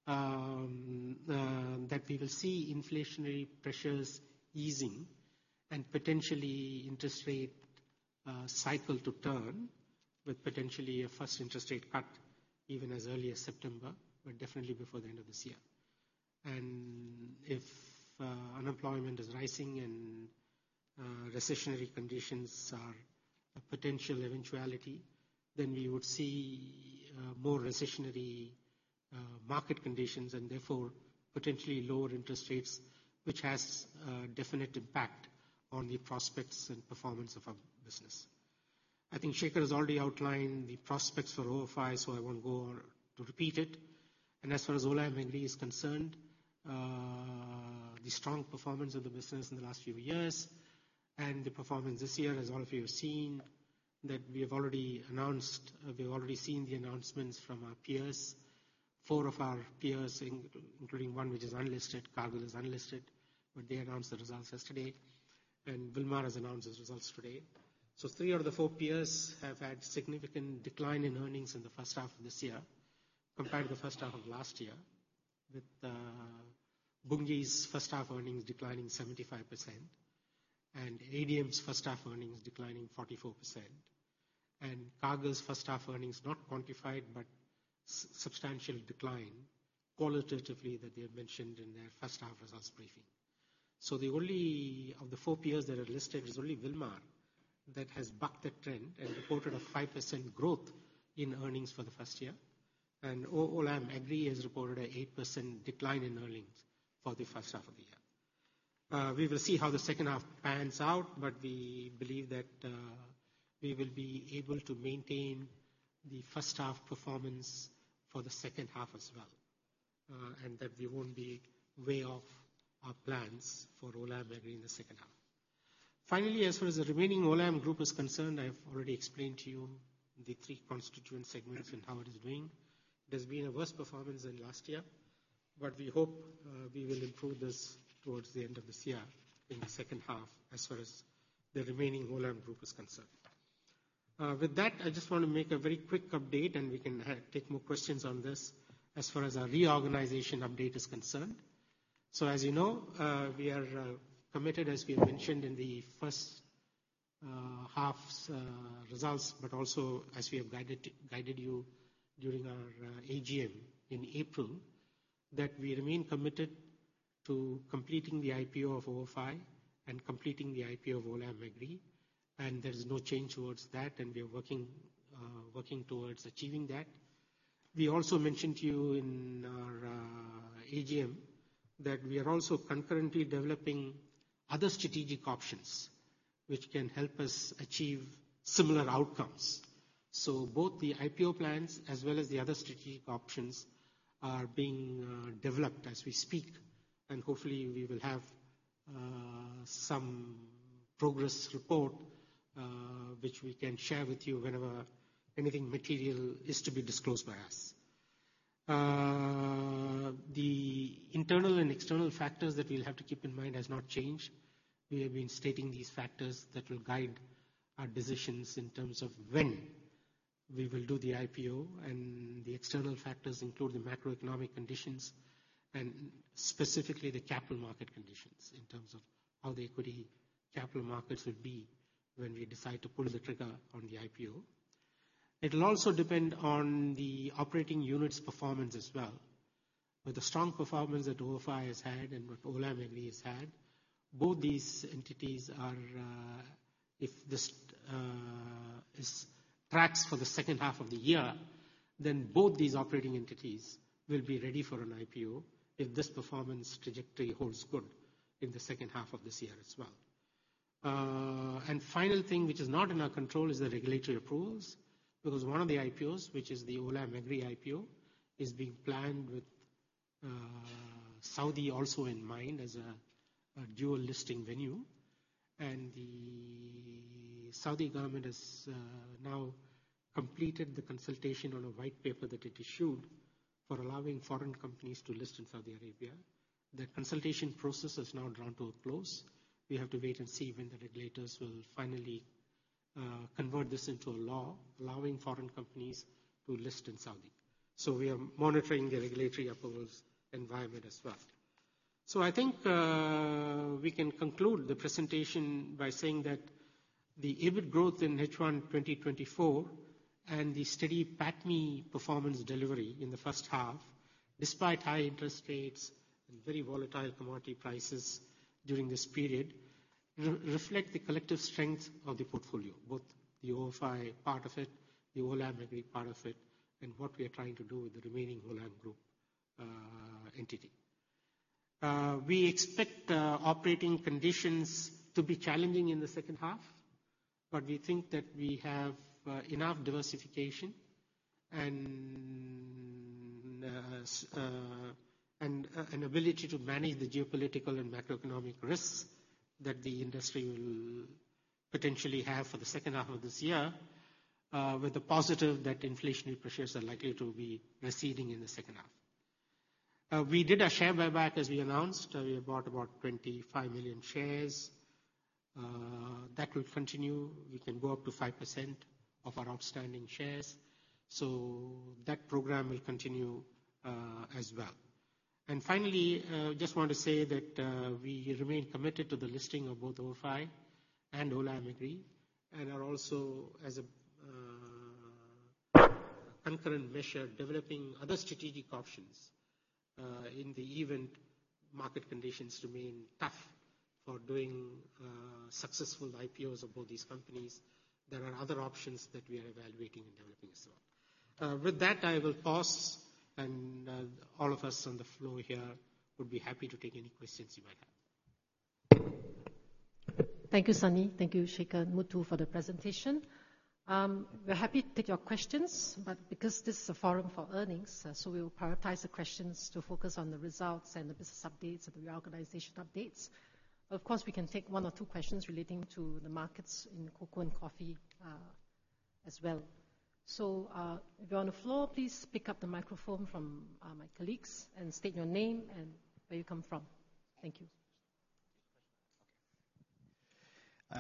that we will see inflationary pressures easing and potentially interest rate cycle to turn, with potentially a first interest rate cut even as early as September, but definitely before the end of this year. And if unemployment is rising and recessionary conditions are a potential eventuality, then we would see more recessionary market conditions and therefore potentially lower interest rates, which has a definite impact on the prospects and performance of our business. I think Shekhar has already outlined the prospects for OFI, so I won't go on to repeat it. As far as Olam Agri is concerned, the strong performance of the business in the last few years and the performance this year, as all of you have seen, that we have already announced... We've already seen the announcements from our peers, four of our peers, including one which is unlisted, Cargill is unlisted, but they announced the results yesterday, and Wilmar has announced its results today. So three out of the four peers have had significant decline in earnings in the first half of this year compared to the first half of last year, with, Bunge's first half earnings declining 75% and ADM's first half earnings declining 44%, and Cargill's first half earnings, not quantified, but substantial decline qualitatively that they have mentioned in their first half results briefing. So the only of the four peers that are listed is only Wilmar, that has bucked the trend and reported a 5% growth in earnings for the first year. And Olam Agri has reported an 8% decline in earnings for the first half of the year. We will see how the second half pans out, but we believe that, we will be able to maintain the first half performance for the second half as well, and that we won't be way off our plans for Olam Agri in the second half. Finally, as far as the remaining Olam Group is concerned, I've already explained to you the three constituent segments and how it is doing. It has been a worse performance than last year, but we hope we will improve this towards the end of this year, in the second half, as far as the remaining Olam Group is concerned. With that, I just want to make a very quick update, and we can take more questions on this as far as our reorganization update is concerned. As you know, we are committed, as we mentioned in the first half's results, but also as we have guided you during our AGM in April, that we remain committed to completing the IPO of OFI and completing the IPO of Olam Agri, and there is no change towards that, and we are working towards achieving that. We also mentioned to you in our AGM that we are also concurrently developing other strategic options which can help us achieve similar outcomes. Both the IPO plans as well as the other strategic options are being developed as we speak, and hopefully, we will have some progress report which we can share with you whenever anything material is to be disclosed by us. The internal and external factors that we'll have to keep in mind has not changed. We have been stating these factors that will guide our decisions in terms of when we will do the IPO, and the external factors include the macroeconomic conditions, and specifically the capital market conditions, in terms of how the equity capital markets will be when we decide to pull the trigger on the IPO. It'll also depend on the operating units' performance as well. With the strong performance that OFI has had and what Olam Agri has had, both these entities are, if this tracks for the second half of the year, then both these operating entities will be ready for an IPO, if this performance trajectory holds good in the second half of this year as well. And final thing, which is not in our control, is the regulatory approvals. Because one of the IPOs, which is the Olam Agri IPO, is being planned with, Saudi also in mind as a dual listing venue. And the Saudi government has now completed the consultation on a white paper that it issued for allowing foreign companies to list in Saudi Arabia. That consultation process has now drawn to a close. We have to wait and see when the regulators will finally convert this into a law, allowing foreign companies to list in Saudi. So we are monitoring the regulatory approvals environment as well. So I think, we can conclude the presentation by saying that the EBIT growth in H1 2024 and the steady PATMI performance delivery in the first half, despite high interest rates and very volatile commodity prices during this period, reflect the collective strength of the portfolio, both the OFI part of it, the Olam Agri part of it, and what we are trying to do with the remaining Olam Group entity. We expect operating conditions to be challenging in the second half, but we think that we have enough diversification and an ability to manage the geopolitical and macroeconomic risks that the industry will potentially have for the second half of this year, with the positive that inflationary pressures are likely to be receding in the second half. We did a share buyback, as we announced. We bought about 25 million shares. That will continue. We can go up to 5% of our outstanding shares, so that program will continue as well. And finally, just want to say that we remain committed to the listing of both OFI and Olam Agri, and are also as a concurrent measure developing other strategic options in the event market conditions remain tough for doing successful IPOs of both these companies. There are other options that we are evaluating and developing as well. With that, I will pause, and all of us on the floor here would be happy to take any questions you might have. Thank you, Sunny. Thank you, Shekhar, Muthu, for the presentation. We're happy to take your questions, but because this is a forum for earnings, so we will prioritize the questions to focus on the results and the business updates and the reorganization updates. Of course, we can take one or two questions relating to the markets in cocoa and coffee, as well. So, if you're on the floor, please pick up the microphone from my colleagues and state your name and where you come from. Thank you.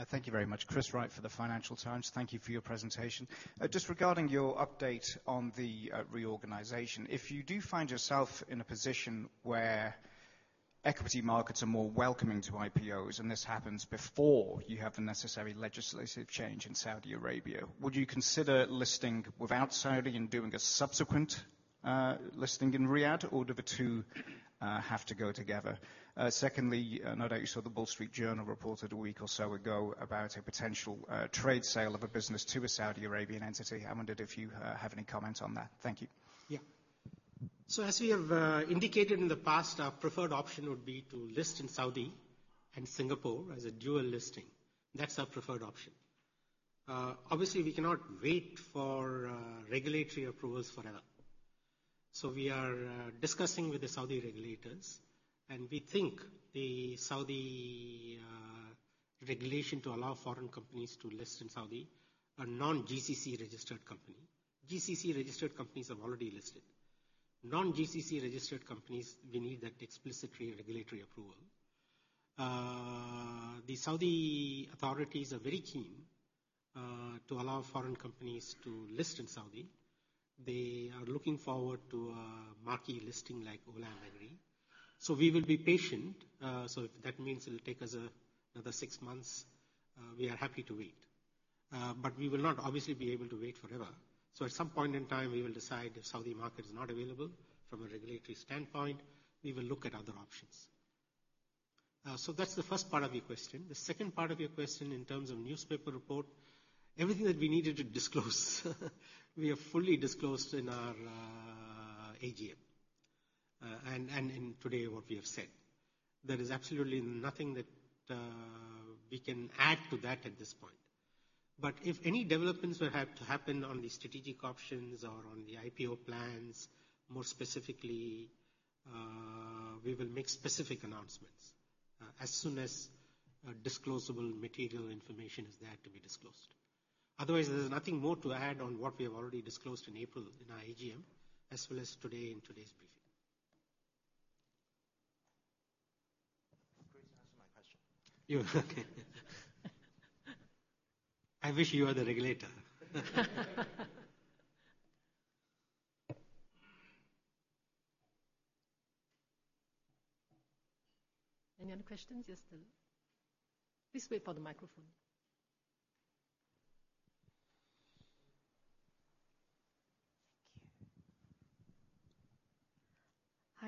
Thank you very much. Chris Wright for the Financial Times. Thank you for your presentation. Just regarding your update on the reorganization, if you do find yourself in a position where equity markets are more welcoming to IPOs, and this happens before you have the necessary legislative change in Saudi Arabia, would you consider listing without Saudi and doing a subsequent listing in Riyadh, or do the two have to go together? Secondly, no doubt you saw the Wall Street Journal reported a week or so ago about a potential trade sale of a business to a Saudi Arabian entity. I wondered if you have any comment on that. Thank you. Yeah. So as we have indicated in the past, our preferred option would be to list in Saudi and Singapore as a dual listing. That's our preferred option. Obviously, we cannot wait for regulatory approvals forever. So we are discussing with the Saudi regulators, and we think the Saudi regulation to allow foreign companies to list in Saudi, a non-GCC-registered company. GCC-registered companies have already listed. Non-GCC-registered companies, we need that explicit regulatory approval. The Saudi authorities are very keen to allow foreign companies to list in Saudi. They are looking forward to a marquee listing like Olam Agri. So we will be patient. So if that means it'll take us another six months, we are happy to wait, but we will not obviously be able to wait forever. So at some point in time, we will decide if Saudi market is not available from a regulatory standpoint, we will look at other options. So that's the first part of your question. The second part of your question, in terms of newspaper report, everything that we needed to disclose, we have fully disclosed in our AGM and in today what we have said. There is absolutely nothing that we can add to that at this point. But if any developments were have to happen on the strategic options or on the IPO plans, more specifically, we will make specific announcements as soon as disclosable material information is there to be disclosed. Otherwise, there's nothing more to add on what we have already disclosed in April in our AGM, as well as today in today's briefing. Great, you answered my question. You... I wish you were the regulator. Any other questions? Yes, please wait for the microphone. Thank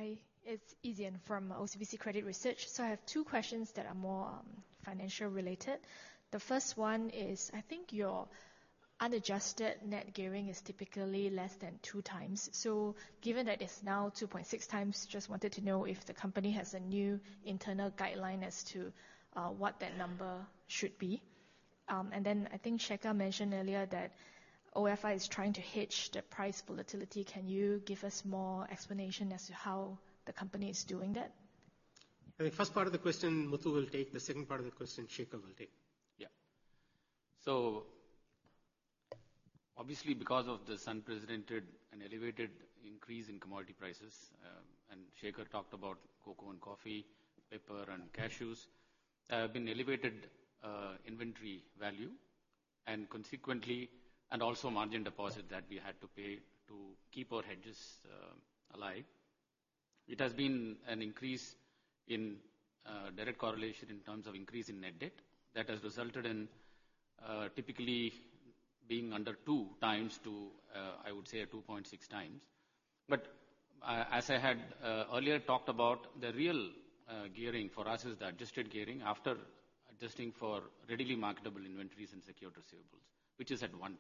you. Hi, it's Ezien from OCBC Credit Research. So I have two questions that are more financial related. The first one is, I think your unadjusted net gearing is typically less than 2 times. So given that it's now 2.6 times, just wanted to know if the company has a new internal guideline as to what that number should be. And then I think Shekhar mentioned earlier that OFI is trying to hedge the price volatility. Can you give us more explanation as to how the company is doing that? The first part of the question, Muthu will take. The second part of the question, Shekhar will take. Yeah. So obviously, because of the unprecedented and elevated increase in commodity prices, and Shekhar talked about cocoa and coffee, pepper and cashews, there have been elevated inventory value and consequently, and also margin deposit that we had to pay to keep our hedges alive. It has been an increase in direct correlation in terms of increase in net debt. That has resulted in typically being under 2x to, I would say a 2.6x. But, as I had earlier talked about, the real gearing for us is the adjusted gearing after adjusting for readily marketable inventories and secured receivables, which is at 1x.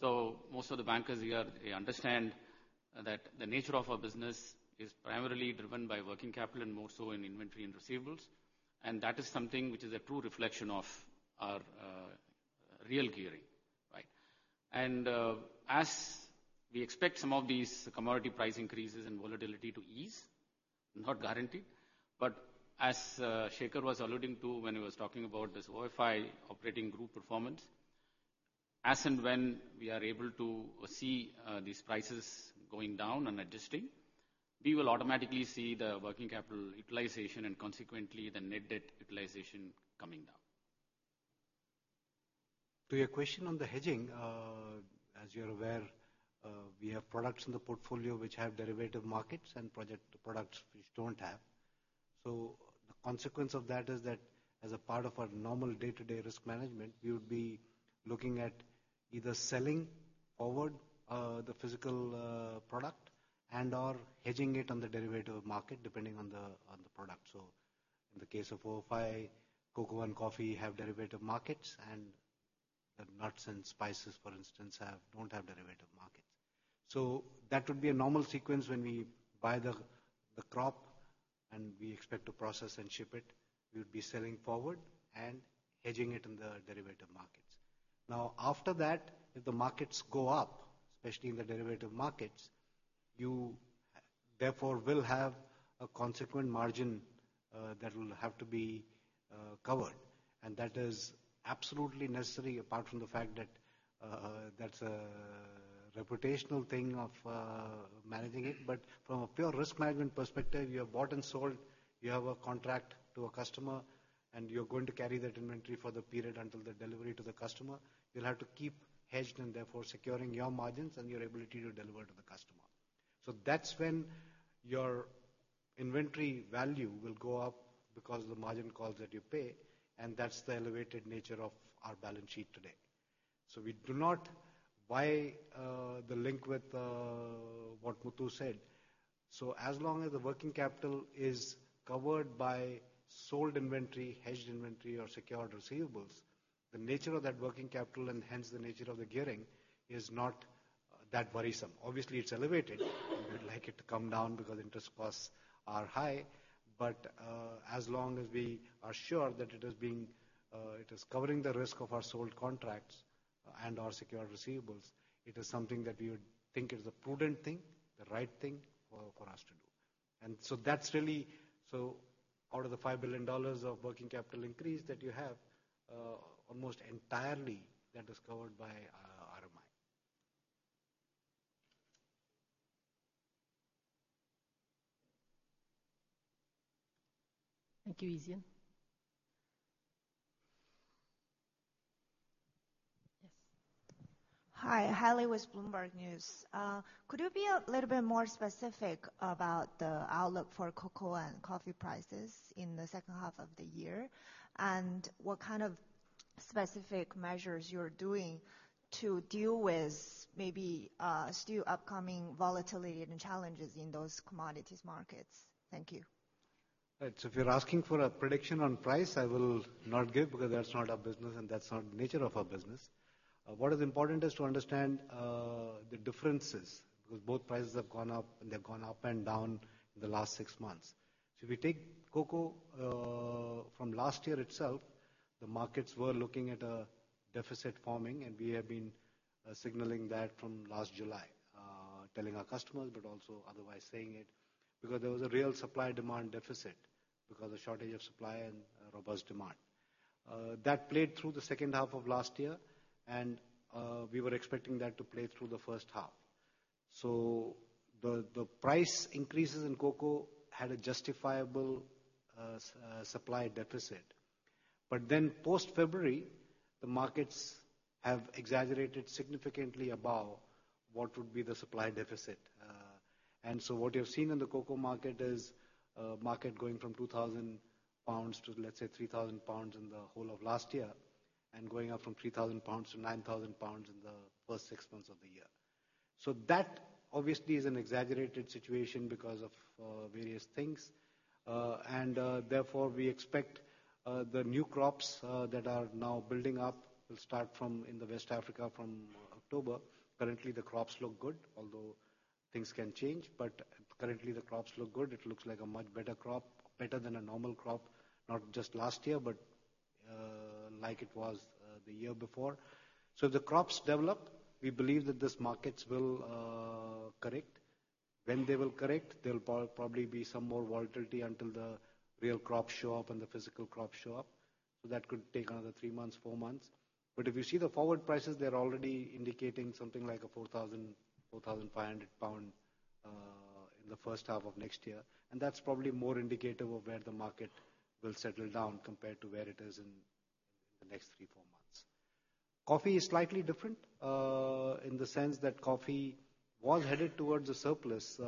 So most of the bankers here, they understand that the nature of our business is primarily driven by working capital and more so in inventory and receivables, and that is something which is a true reflection of our real gearing, right? And as we expect some of these commodity price increases and volatility to ease, not guaranteed, but as Shekhar was alluding to when he was talking about this OFI operating group performance, as and when we are able to see these prices going down and adjusting, we will automatically see the working capital utilization and consequently the net debt utilization coming down. To your question on the hedging, as you're aware, we have products in the portfolio which have derivative markets and products which don't have. So the consequence of that is that as a part of our normal day-to-day risk management, we would be looking at either selling forward the physical product and/or hedging it on the derivative market, depending on the product. So in the case of OFI, cocoa and coffee have derivative markets, and the nuts and spices, for instance, don't have derivative markets. So that would be a normal sequence when we buy the crop, and we expect to process and ship it, we would be selling forward and hedging it in the derivative markets. Now, after that, if the markets go up, especially in the derivative markets, you therefore will have a consequent margin that will have to be covered. And that is absolutely necessary, apart from the fact that that's a reputational thing of managing it. But from a pure risk management perspective, you have bought and sold, you have a contract to a customer, and you're going to carry that inventory for the period until the delivery to the customer. You'll have to keep hedged and therefore securing your margins and your ability to deliver to the customer. So that's when your inventory value will go up because of the margin calls that you pay, and that's the elevated nature of our balance sheet today. So we do not buy the link with what Muthu said. So as long as the working capital is covered by sold inventory, hedged inventory or secured receivables, the nature of that working capital, and hence the nature of the gearing, is not that worrisome. Obviously, it's elevated. We'd like it to come down because interest costs are high. But, as long as we are sure that it is being, it is covering the risk of our sold contracts and our secured receivables, it is something that we would think is a prudent thing, the right thing for, for us to do. And so that's really. So out of the $5 billion of working capital increase that you have, almost entirely, that is covered by, RMI. Thank you, Ezien. Yes. Hi, Hailey with Bloomberg News. Could you be a little bit more specific about the outlook for cocoa and coffee prices in the second half of the year? And what kind of specific measures you're doing to deal with maybe still upcoming volatility and challenges in those commodities markets? Thank you. Right. So if you're asking for a prediction on price, I will not give, because that's not our business, and that's not the nature of our business. What is important is to understand the differences, because both prices have gone up, and they've gone up and down in the last six months. So if we take cocoa, from last year itself, the markets were looking at a deficit forming, and we have been signaling that from last July. Telling our customers, but also otherwise saying it, because there was a real supply-demand deficit, because of shortage of supply and robust demand. That played through the second half of last year, and we were expecting that to play through the first half. So the price increases in cocoa had a justifiable supply deficit. But then post-February, the markets have exaggerated significantly above what would be the supply deficit. And so what you have seen in the cocoa market is a market going from 2,000 pounds to, let's say, 3,000 pounds in the whole of last year, and going up from 3,000 pounds to 9,000 pounds in the first six months of the year. So that obviously is an exaggerated situation because of various things. And therefore, we expect the new crops that are now building up will start from in the West Africa from October. Currently, the crops look good, although things can change, but currently, the crops look good. It looks like a much better crop, better than a normal crop, not just last year, but like it was the year before. So the crops develop. We believe that these markets will correct. When they will correct, there'll probably be some more volatility until the real crops show up and the physical crops show up. So that could take another three months, four months. But if you see the forward prices, they're already indicating something like a 4,000-4,500 pound in the first half of next year, and that's probably more indicative of where the market will settle down compared to where it is in the next three, four months. Coffee is slightly different in the sense that coffee was headed towards a surplus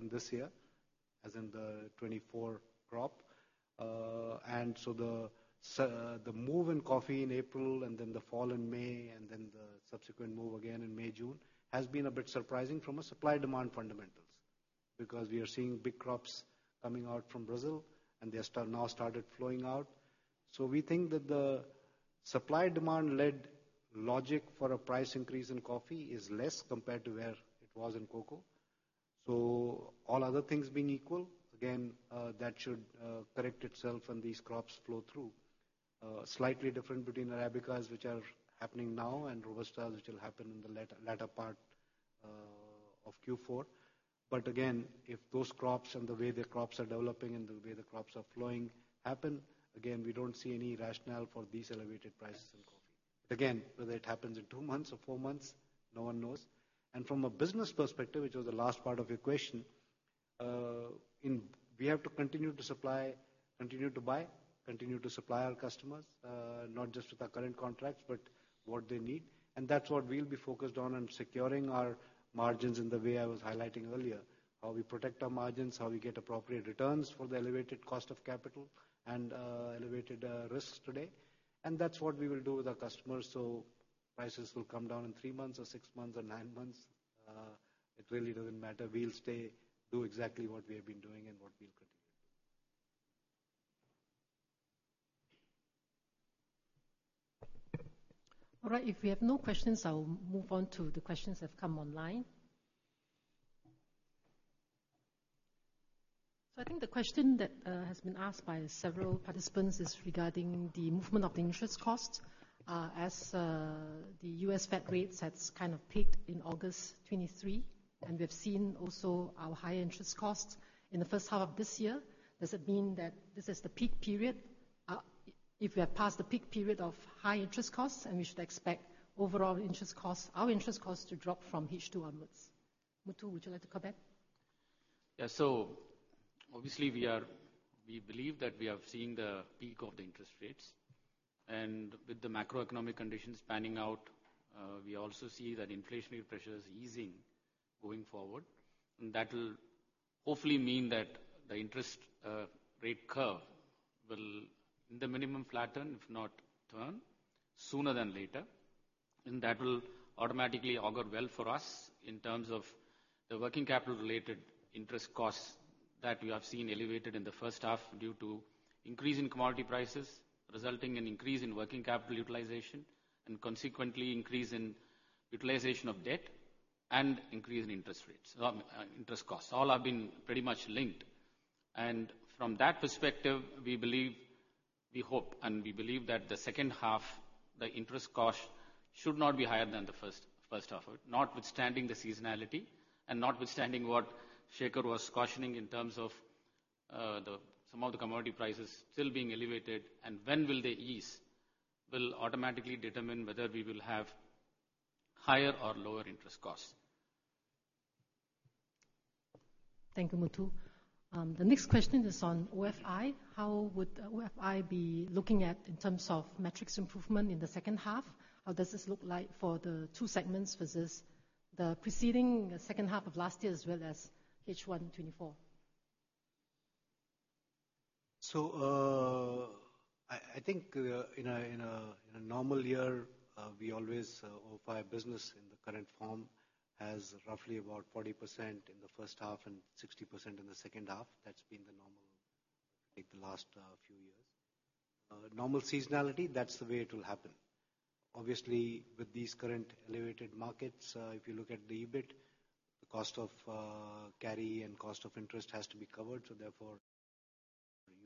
in this year, as in the 2024 crop. And so the move in coffee in April, and then the fall in May, and then the subsequent move again in May, June, has been a bit surprising from a supply-demand fundamentals. Because we are seeing big crops coming out from Brazil, and they're now started flowing out. So we think that the supply-demand led logic for a price increase in coffee is less compared to where it was in cocoa. So all other things being equal, again, that should correct itself when these crops flow through. Slightly different between Arabicas, which are happening now, and Robusta, which will happen in the latter part of Q4. But again, if those crops and the way the crops are developing and the way the crops are flowing happen, again, we don't see any rationale for these elevated prices in coffee. Again, whether it happens in two months or four months, no one knows. From a business perspective, which was the last part of your question, we have to continue to buy, continue to supply our customers, not just with our current contracts, but what they need. And that's what we'll be focused on, on securing our margins in the way I was highlighting earlier. How we protect our margins, how we get appropriate returns for the elevated cost of capital and elevated risks today. And that's what we will do with our customers. So prices will come down in three months or six months or nine months, it really doesn't matter. We'll stay, do exactly what we have been doing and what we'll continue doing. All right, if we have no questions, I'll move on to the questions that have come online. So I think the question that has been asked by several participants is regarding the movement of the interest costs, as the U.S. Fed rates has kind of peaked in August 2023, and we have seen also our high interest costs in the first half of this year. Does it mean that this is the peak period? If we are past the peak period of high interest costs, and we should expect overall interest costs, our interest costs, to drop from H2 onwards. Muthu, would you like to comment? Yeah. So obviously, we believe that we have seen the peak of the interest rates. And with the macroeconomic conditions panning out, we also see that inflationary pressure is easing going forward. And that will hopefully mean that the interest rate curve will, in the minimum, flatten, if not turn, sooner than later. And that will automatically augur well for us in terms of the working capital-related interest costs that we have seen elevated in the first half due to increase in commodity prices, resulting in increase in working capital utilization, and consequently, increase in utilization of debt and increase in interest rates, interest costs. All have been pretty much linked. And from that perspective, we believe, we hope and we believe that the second half, the interest cost should not be higher than the first, first half. Notwithstanding the seasonality, and notwithstanding what Shekhar was cautioning in terms of some of the commodity prices still being elevated, and when will they ease, will automatically determine whether we will have higher or lower interest costs. Thank you, Muthu. The next question is on OFI. How would OFI be looking at in terms of metrics improvement in the second half? How does this look like for the two segments versus the preceding second half of last year, as well as H1 2024? So, I think, in a normal year, we always, the OFI business in the current form has roughly about 40% in the first half and 60% in the second half. That's been the normal, like, the last few years. Normal seasonality, that's the way it will happen. Obviously, with these current elevated markets, if you look at the EBIT, the cost of carry and cost of interest has to be covered, so therefore,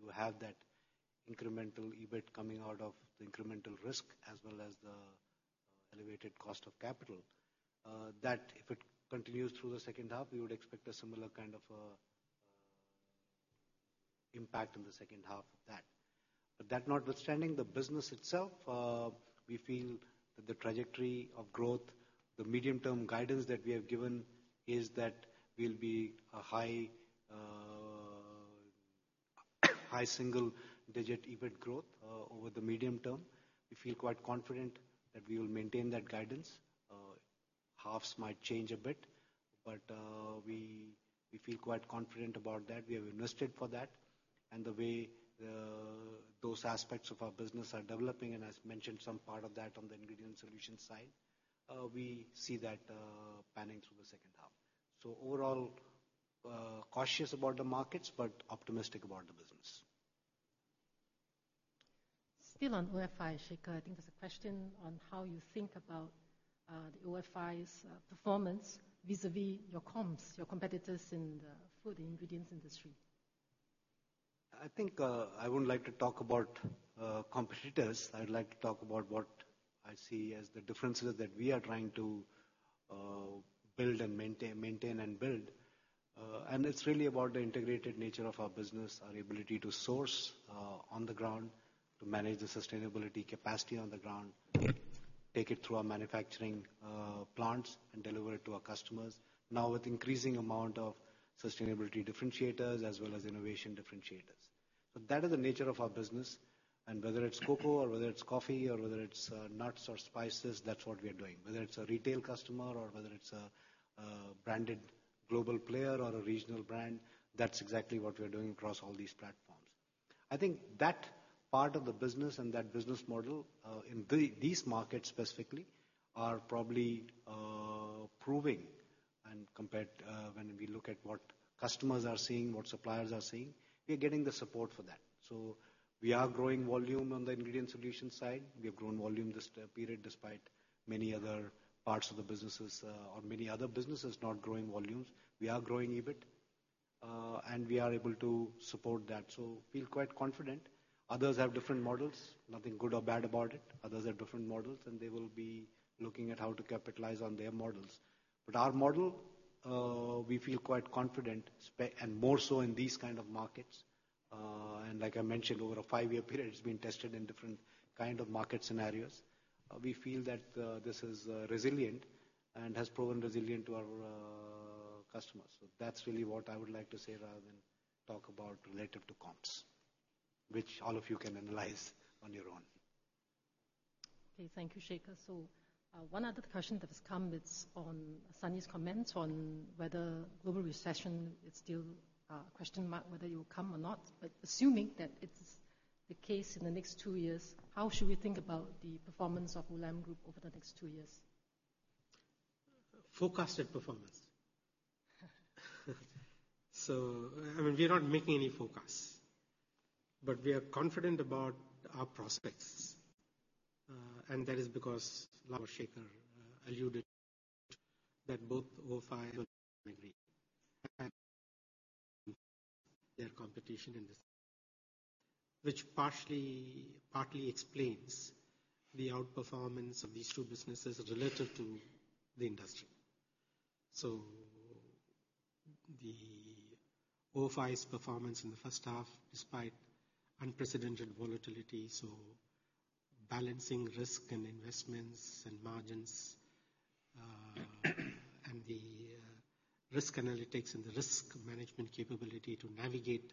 you have that incremental EBIT coming out of the incremental risk, as well as the elevated cost of capital. That, if it continues through the second half, we would expect a similar kind of impact in the second half of that. But that notwithstanding, the business itself, we feel that the trajectory of growth, the medium-term guidance that we have given is that we'll be a high single-digit EBIT growth over the medium term. We feel quite confident that we will maintain that guidance. Halves might change a bit, but we feel quite confident about that. We have invested for that, and the way those aspects of our business are developing, and as mentioned, some part of that on the ingredient solution side, we see that panning through the second half. So overall, cautious about the markets, but optimistic about the business. Still on OFI, Shekhar, I think there's a question on how you think about the OFI's performance vis-a-vis your comps, your competitors in the food ingredients industry. I think, I wouldn't like to talk about competitors. I'd like to talk about what I see as the differences that we are trying to build and maintain, maintain and build. And it's really about the integrated nature of our business, our ability to source on the ground... to manage the sustainability capacity on the ground, take it through our manufacturing plants, and deliver it to our customers, now with increasing amount of sustainability differentiators as well as innovation differentiators. So that is the nature of our business, and whether it's cocoa or whether it's coffee, or whether it's nuts or spices, that's what we are doing. Whether it's a retail customer or whether it's a branded global player or a regional brand, that's exactly what we're doing across all these platforms. I think that part of the business and that business model, in these markets specifically, are probably proving and compared, when we look at what customers are seeing, what suppliers are seeing, we are getting the support for that. So we are growing volume on the ingredient solution side. We have grown volume this period despite many other parts of the businesses, or many other businesses not growing volumes. We are growing EBIT, and we are able to support that, so feel quite confident. Others have different models, nothing good or bad about it. Others have different models, and they will be looking at how to capitalize on their models. But our model, we feel quite confident and more so in these kind of markets. And like I mentioned, over a five-year period, it's been tested in different kind of market scenarios. We feel that this is resilient and has proven resilient to our customers. So that's really what I would like to say rather than talk about relative to comps, which all of you can analyze on your own. Okay, thank you, Shekhar. So, one other question that has come, it's on Sunny's comments on whether global recession is still a question mark, whether it will come or not. But assuming that it's the case in the next two years, how should we think about the performance of Olam Group over the next two years? Forecasted performance. So, I mean, we are not making any forecasts, but we are confident about our prospects. And that is because, like Shekhar alluded, that both OFI and Agri, their competition in this... Which partially, partly explains the outperformance of these two businesses relative to the industry. So the OFI's performance in the first half, despite unprecedented volatility, so balancing risk and investments and margins, and the risk analytics and the risk management capability to navigate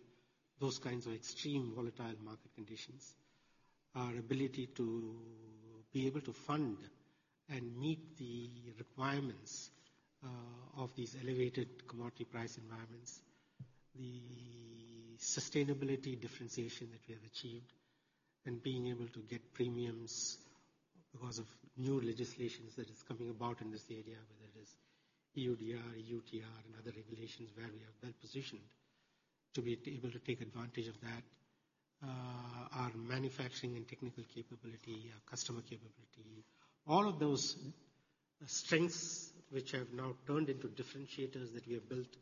those kinds of extreme volatile market conditions. Our ability to be able to fund and meet the requirements of these elevated commodity price environments, the sustainability differentiation that we have achieved, and being able to get premiums because of new legislations that is coming about in this area, whether it is EUDR, UKTR, and other regulations, where we are well positioned to be able to take advantage of that. Our manufacturing and technical capability, our customer capability, all of those strengths, which have now turned into differentiators that we have built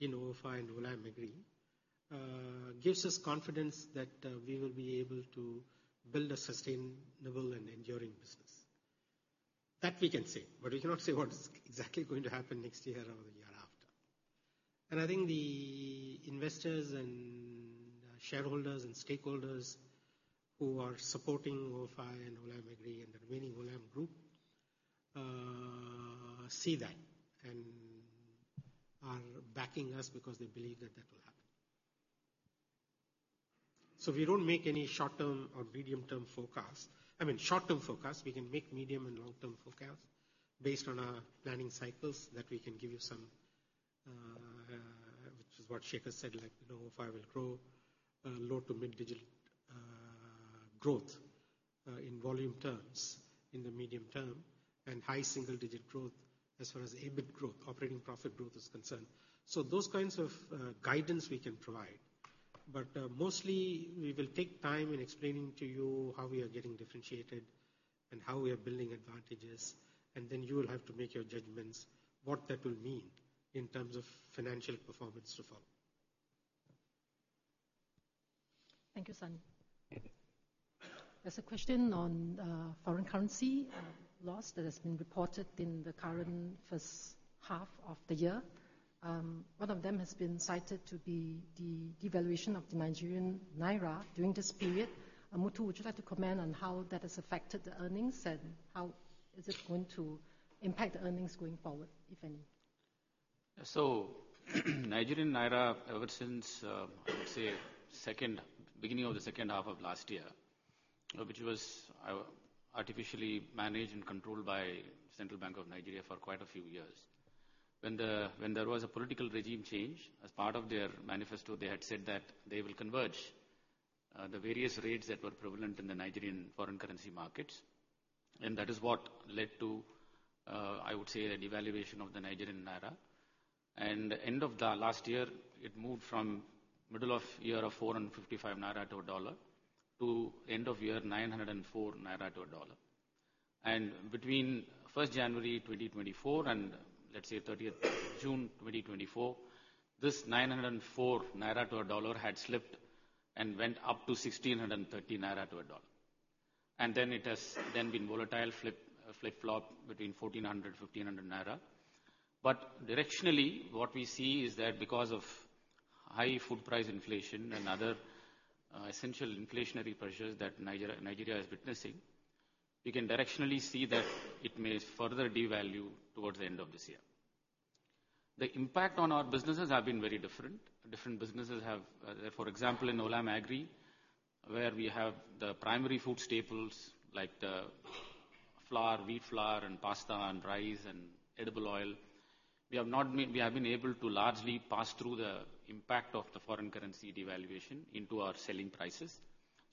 in OFI and Olam Agri, gives us confidence that we will be able to build a sustainable and enduring business. That we can say, but we cannot say what is exactly going to happen next year or the year after. And I think the investors and shareholders and stakeholders who are supporting OFI and Olam Agri and the remaining Olam Group see that, and are backing us because they believe that that will happen. So we don't make any short-term or medium-term forecast. I mean, short-term forecast. We can make medium and long-term forecasts based on our planning cycles, that we can give you some, which is what Shekhar said, like, you know, OFI will grow low to mid-digit growth in volume terms in the medium term, and high single digit growth as far as EBIT growth, operating profit growth is concerned. So those kinds of guidance we can provide. But, mostly, we will take time in explaining to you how we are getting differentiated and how we are building advantages, and then you will have to make your judgments, what that will mean in terms of financial performance to follow. Thank you, Sunny. There's a question on foreign currency loss that has been reported in the current first half of the year. One of them has been cited to be the devaluation of the Nigerian naira during this period. Muthu, would you like to comment on how that has affected the earnings, and how is it going to impact the earnings going forward, if any? So, Nigerian naira, ever since, let's say second, beginning of the second half of last year, which was, artificially managed and controlled by Central Bank of Nigeria for quite a few years. When there was a political regime change, as part of their manifesto, they had said that they will converge, the various rates that were prevalent in the Nigerian foreign currency markets, and that is what led to, I would say, a devaluation of the Nigerian naira. And end of the last year, it moved from middle of year of 455 naira to a dollar, to end of year, 904 naira to a dollar. Between first January 2024 and, let's say, thirtieth June 2024, this 904 naira to $1 had slipped and went up to 1,630 naira to $1. ...And then it has been volatile, flip-flop between 1,400-1,500 naira. But directionally, what we see is that because of high food price inflation and other essential inflationary pressures that Nigeria is witnessing, we can directionally see that it may further devalue towards the end of this year. The impact on our businesses have been very different. Different businesses have. For example, in Olam Agri, where we have the primary food staples, like the flour, wheat flour, and pasta and rice and edible oil, we have been able to largely pass through the impact of the foreign currency devaluation into our selling prices.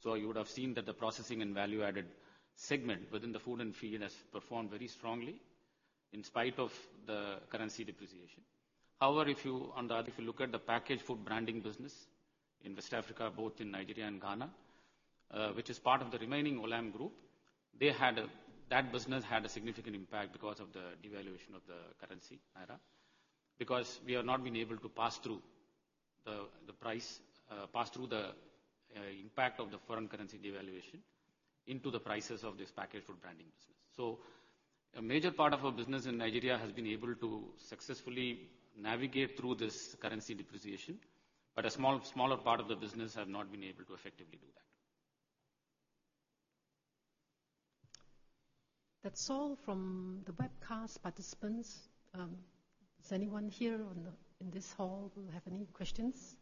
So you would have seen that the processing and value-added segment within the food and feed has performed very strongly, in spite of the currency depreciation. However, if you— on the other, if you look at the packaged food branding business in West Africa, both in Nigeria and Ghana, which is part of the remaining Olam Group, that business had a significant impact because of the devaluation of the currency, naira. Because we have not been able to pass through the price, pass through the impact of the foreign currency devaluation into the prices of this packaged food branding business. So a major part of our business in Nigeria has been able to successfully navigate through this currency depreciation, but a smaller part of the business has not been able to effectively do that. That's all from the webcast participants. Does anyone here in this hall who have any questions?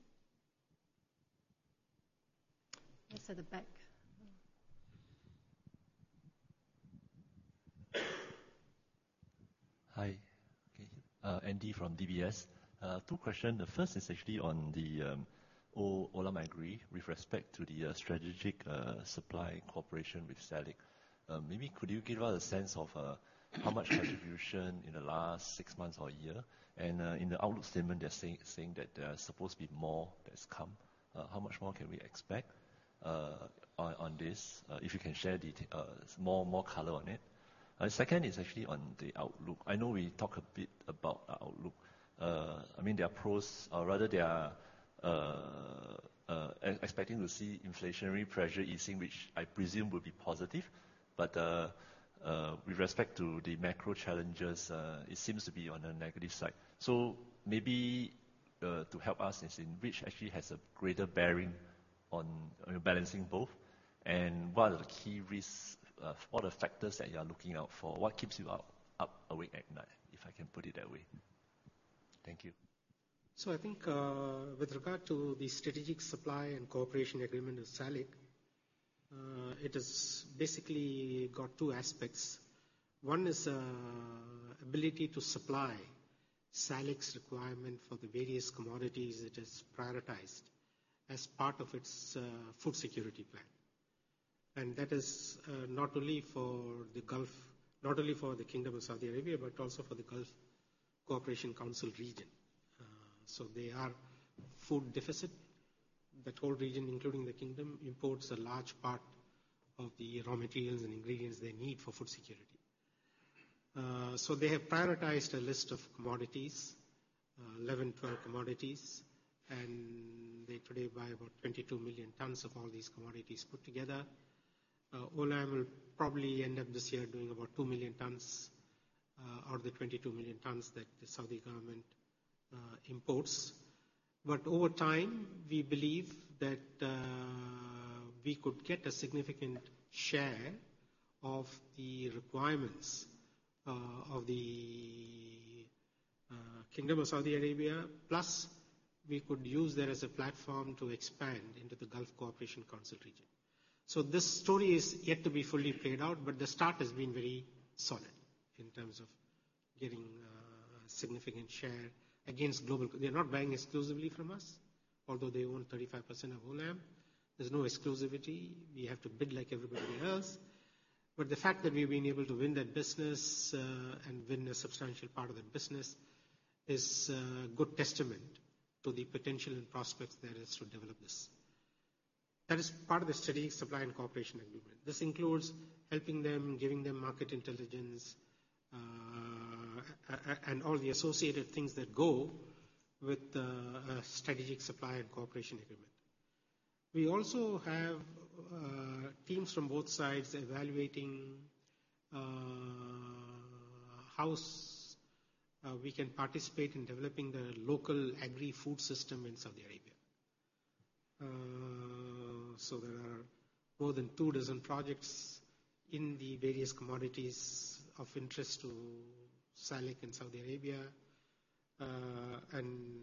Yes, at the back. Hi, Andy from DBS. Two question. The first is actually on the Olam Agri, with respect to the strategic supply cooperation with SALIC. Maybe could you give us a sense of how much contribution in the last six months or a year? And in the outlook statement, they're saying that there are supposed to be more that's come. How much more can we expect on this? If you can share more color on it. Second is actually on the outlook. I know we talked a bit about our outlook. I mean, there are pros, or rather, there are expecting to see inflationary pressure easing, which I presume will be positive. But, with respect to the macro challenges, it seems to be on the negative side. So maybe, to help us, as in which actually has a greater bearing on balancing both, and what are the key risks, what are the factors that you are looking out for? What keeps you up awake at night, if I can put it that way. Thank you. So I think, with regard to the strategic supply and cooperation agreement with SALIC, it is basically got two aspects. One is, ability to supply SALIC's requirement for the various commodities it has prioritized as part of its, food security plan. And that is, not only for the Gulf, not only for the Kingdom of Saudi Arabia, but also for the Gulf Cooperation Council region. So they are food deficit. That whole region, including the kingdom, imports a large part of the raw materials and ingredients they need for food security. So they have prioritized a list of commodities, 11, 12 commodities, and they today buy about 22 million tons of all these commodities put together. Olam will probably end up this year doing about 2 million tons, out of the 22 million tons that the Saudi government, imports. But over time, we believe that we could get a significant share of the requirements of the Kingdom of Saudi Arabia, plus we could use that as a platform to expand into the Gulf Cooperation Council region. So this story is yet to be fully played out, but the start has been very solid in terms of getting a significant share against global. They're not buying exclusively from us, although they own 35% of Olam. There's no exclusivity. We have to bid like everybody else. But the fact that we've been able to win that business and win a substantial part of that business is a good testament to the potential and prospects there is to develop this. That is part of the strategic supply and cooperation agreement. This includes helping them, giving them market intelligence, and all the associated things that go with the strategic supply and cooperation agreement. We also have teams from both sides evaluating how we can participate in developing the local agri-food system in Saudi Arabia. So there are more than two dozen projects in the various commodities of interest to SALIC and Saudi Arabia, and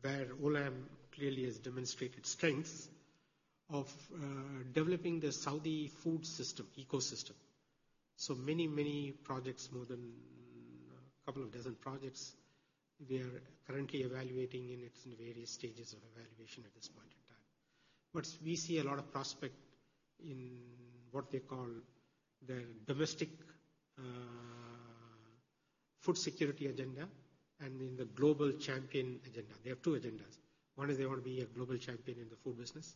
where Olam clearly has demonstrated strengths of developing the Saudi food system, ecosystem. So many, many projects, more than a couple of dozen projects, we are currently evaluating, and it's in various stages of evaluation at this point in time. But we see a lot of prospect in what they call their domestic food security agenda and in the global champion agenda. They have two agendas. One is they want to be a global champion in the food business.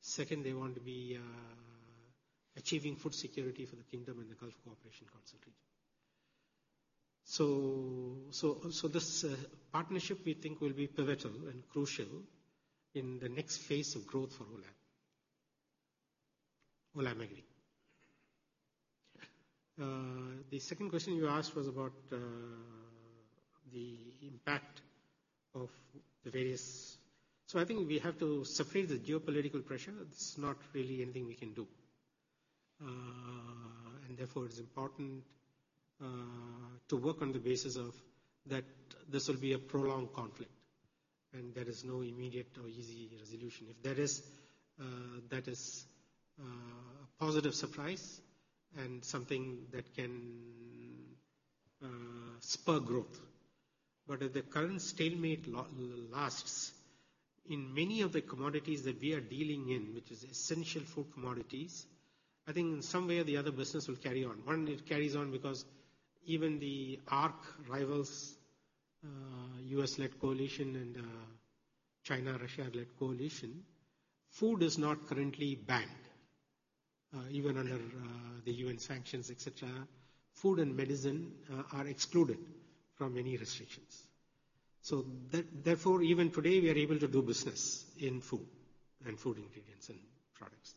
Second, they want to be, achieving food security for the kingdom and the Gulf Cooperation Council region. So, so, so this, partnership, we think, will be pivotal and crucial in the next phase of growth for Olam, Olam Agri. The second question you asked was about, the impact of the various. So I think we have to suffer the geopolitical pressure. There's not really anything we can do. And therefore, it's important, to work on the basis of that this will be a prolonged conflict, and there is no immediate or easy resolution. If there is, that is, a positive surprise and something that can, spur growth. But if the current stalemate lasts, in many of the commodities that we are dealing in, which is essential food commodities, I think in some way or the other, business will carry on. One, it carries on because even the archrivals, U.S.-led coalition and, China, Russia-led coalition, food is not currently banned. Even under, the U.N. sanctions, et cetera, food and medicine are excluded from any restrictions. So therefore, even today, we are able to do business in food and food ingredients and products.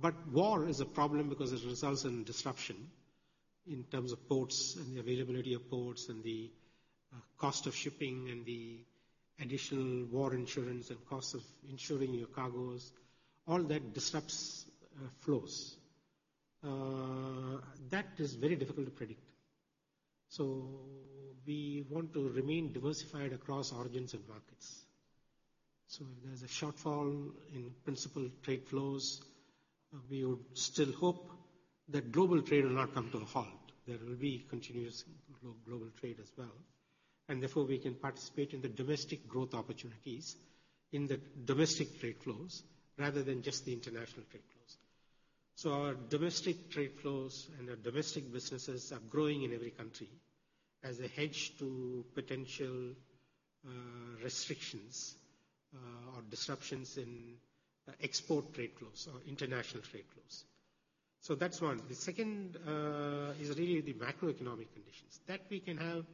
But war is a problem because it results in disruption in terms of ports and the availability of ports, and the cost of shipping, and the additional war insurance and costs of insuring your cargoes. All that disrupts flows. That is very difficult to predict. So we want to remain diversified across origins and markets. So if there's a shortfall in principal trade flows, we would still hope that global trade will not come to a halt. There will be continuous global trade as well, and therefore, we can participate in the domestic growth opportunities, in the domestic trade flows, rather than just the international trade flows. So our domestic trade flows and our domestic businesses are growing in every country as a hedge to potential restrictions or disruptions in export trade flows or international trade flows. So that's one. The second is really the macroeconomic conditions. That we can have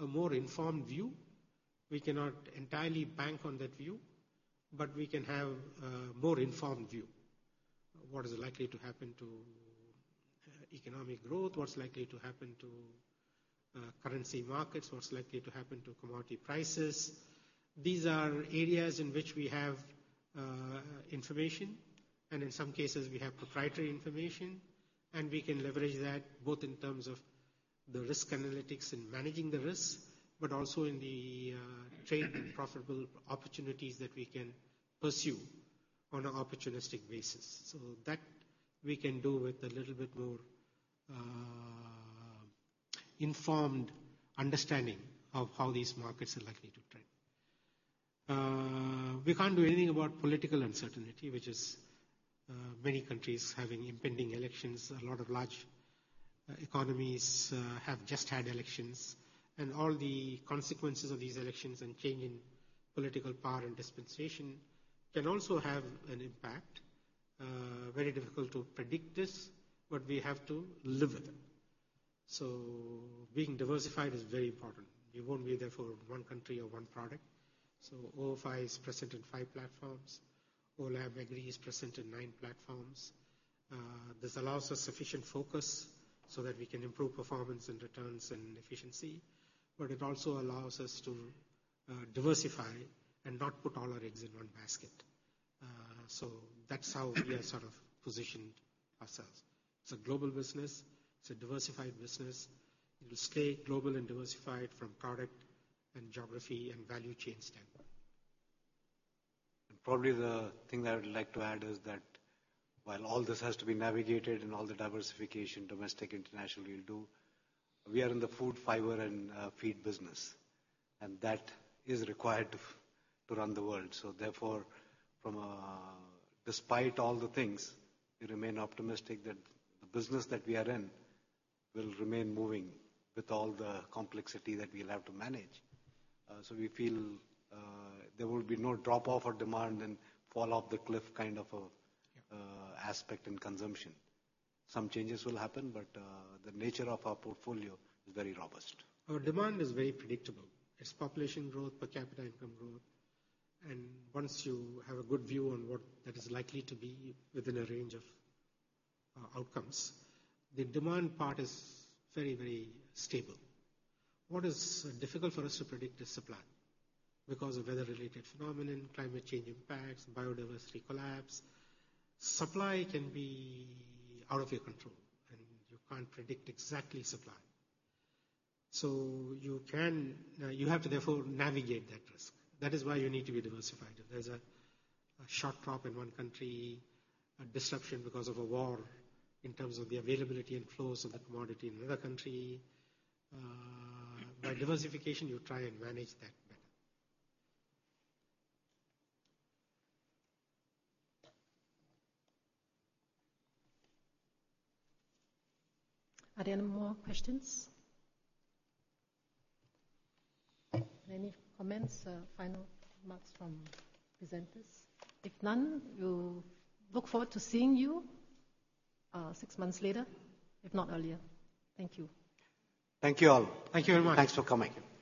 a more informed view. We cannot entirely bank on that view, but we can have a more informed view. What is likely to happen to economic growth? What's likely to happen to currency markets? What's likely to happen to commodity prices? These are areas in which we have information, and in some cases, we have proprietary information, and we can leverage that both in terms of the risk analytics and managing the risks, but also in the trade and profitable opportunities that we can pursue on an opportunistic basis. So that we can do with a little bit more informed understanding of how these markets are likely to trend. We can't do anything about political uncertainty, which is many countries having impending elections. A lot of large economies have just had elections, and all the consequences of these elections and change in political power and dispensation can also have an impact. Very difficult to predict this, but we have to live with it. So being diversified is very important. You won't be there for one country or one product. So OFI is present in five platforms. Olam Agri is present in nine platforms. This allows us sufficient focus so that we can improve performance and returns and efficiency, but it also allows us to diversify and not put all our eggs in one basket. So that's how we have sort of positioned ourselves. It's a global business. It's a diversified business. It'll stay global and diversified from product and geography and value chain standpoint. And probably the thing that I would like to add is that while all this has to be navigated and all the diversification, domestic, international, we'll do, we are in the food, fiber, and feed business, and that is required to run the world. So therefore, despite all the things, we remain optimistic that the business that we are in will remain moving with all the complexity that we'll have to manage. So we feel, there will be no drop-off or demand and fall off the cliff kind of a aspect in consumption. Some changes will happen, but the nature of our portfolio is very robust. Our demand is very predictable. It's population growth, per capita income growth, and once you have a good view on what that is likely to be within a range of outcomes, the demand part is very, very stable. What is difficult for us to predict is supply, because of weather-related phenomenon, climate change impacts, biodiversity collapse. Supply can be out of your control, and you can't predict exactly supply. So you can... You have to therefore, navigate that risk. That is why you need to be diversified. If there's a short crop in one country, a disruption because of a war, in terms of the availability and flows of that commodity in another country, by diversification, you try and manage that better. Are there any more questions? Any comments, final remarks from presenters? If none, we look forward to seeing you, six months later, if not earlier. Thank you. Thank you all. Thank you very much. Thanks for coming.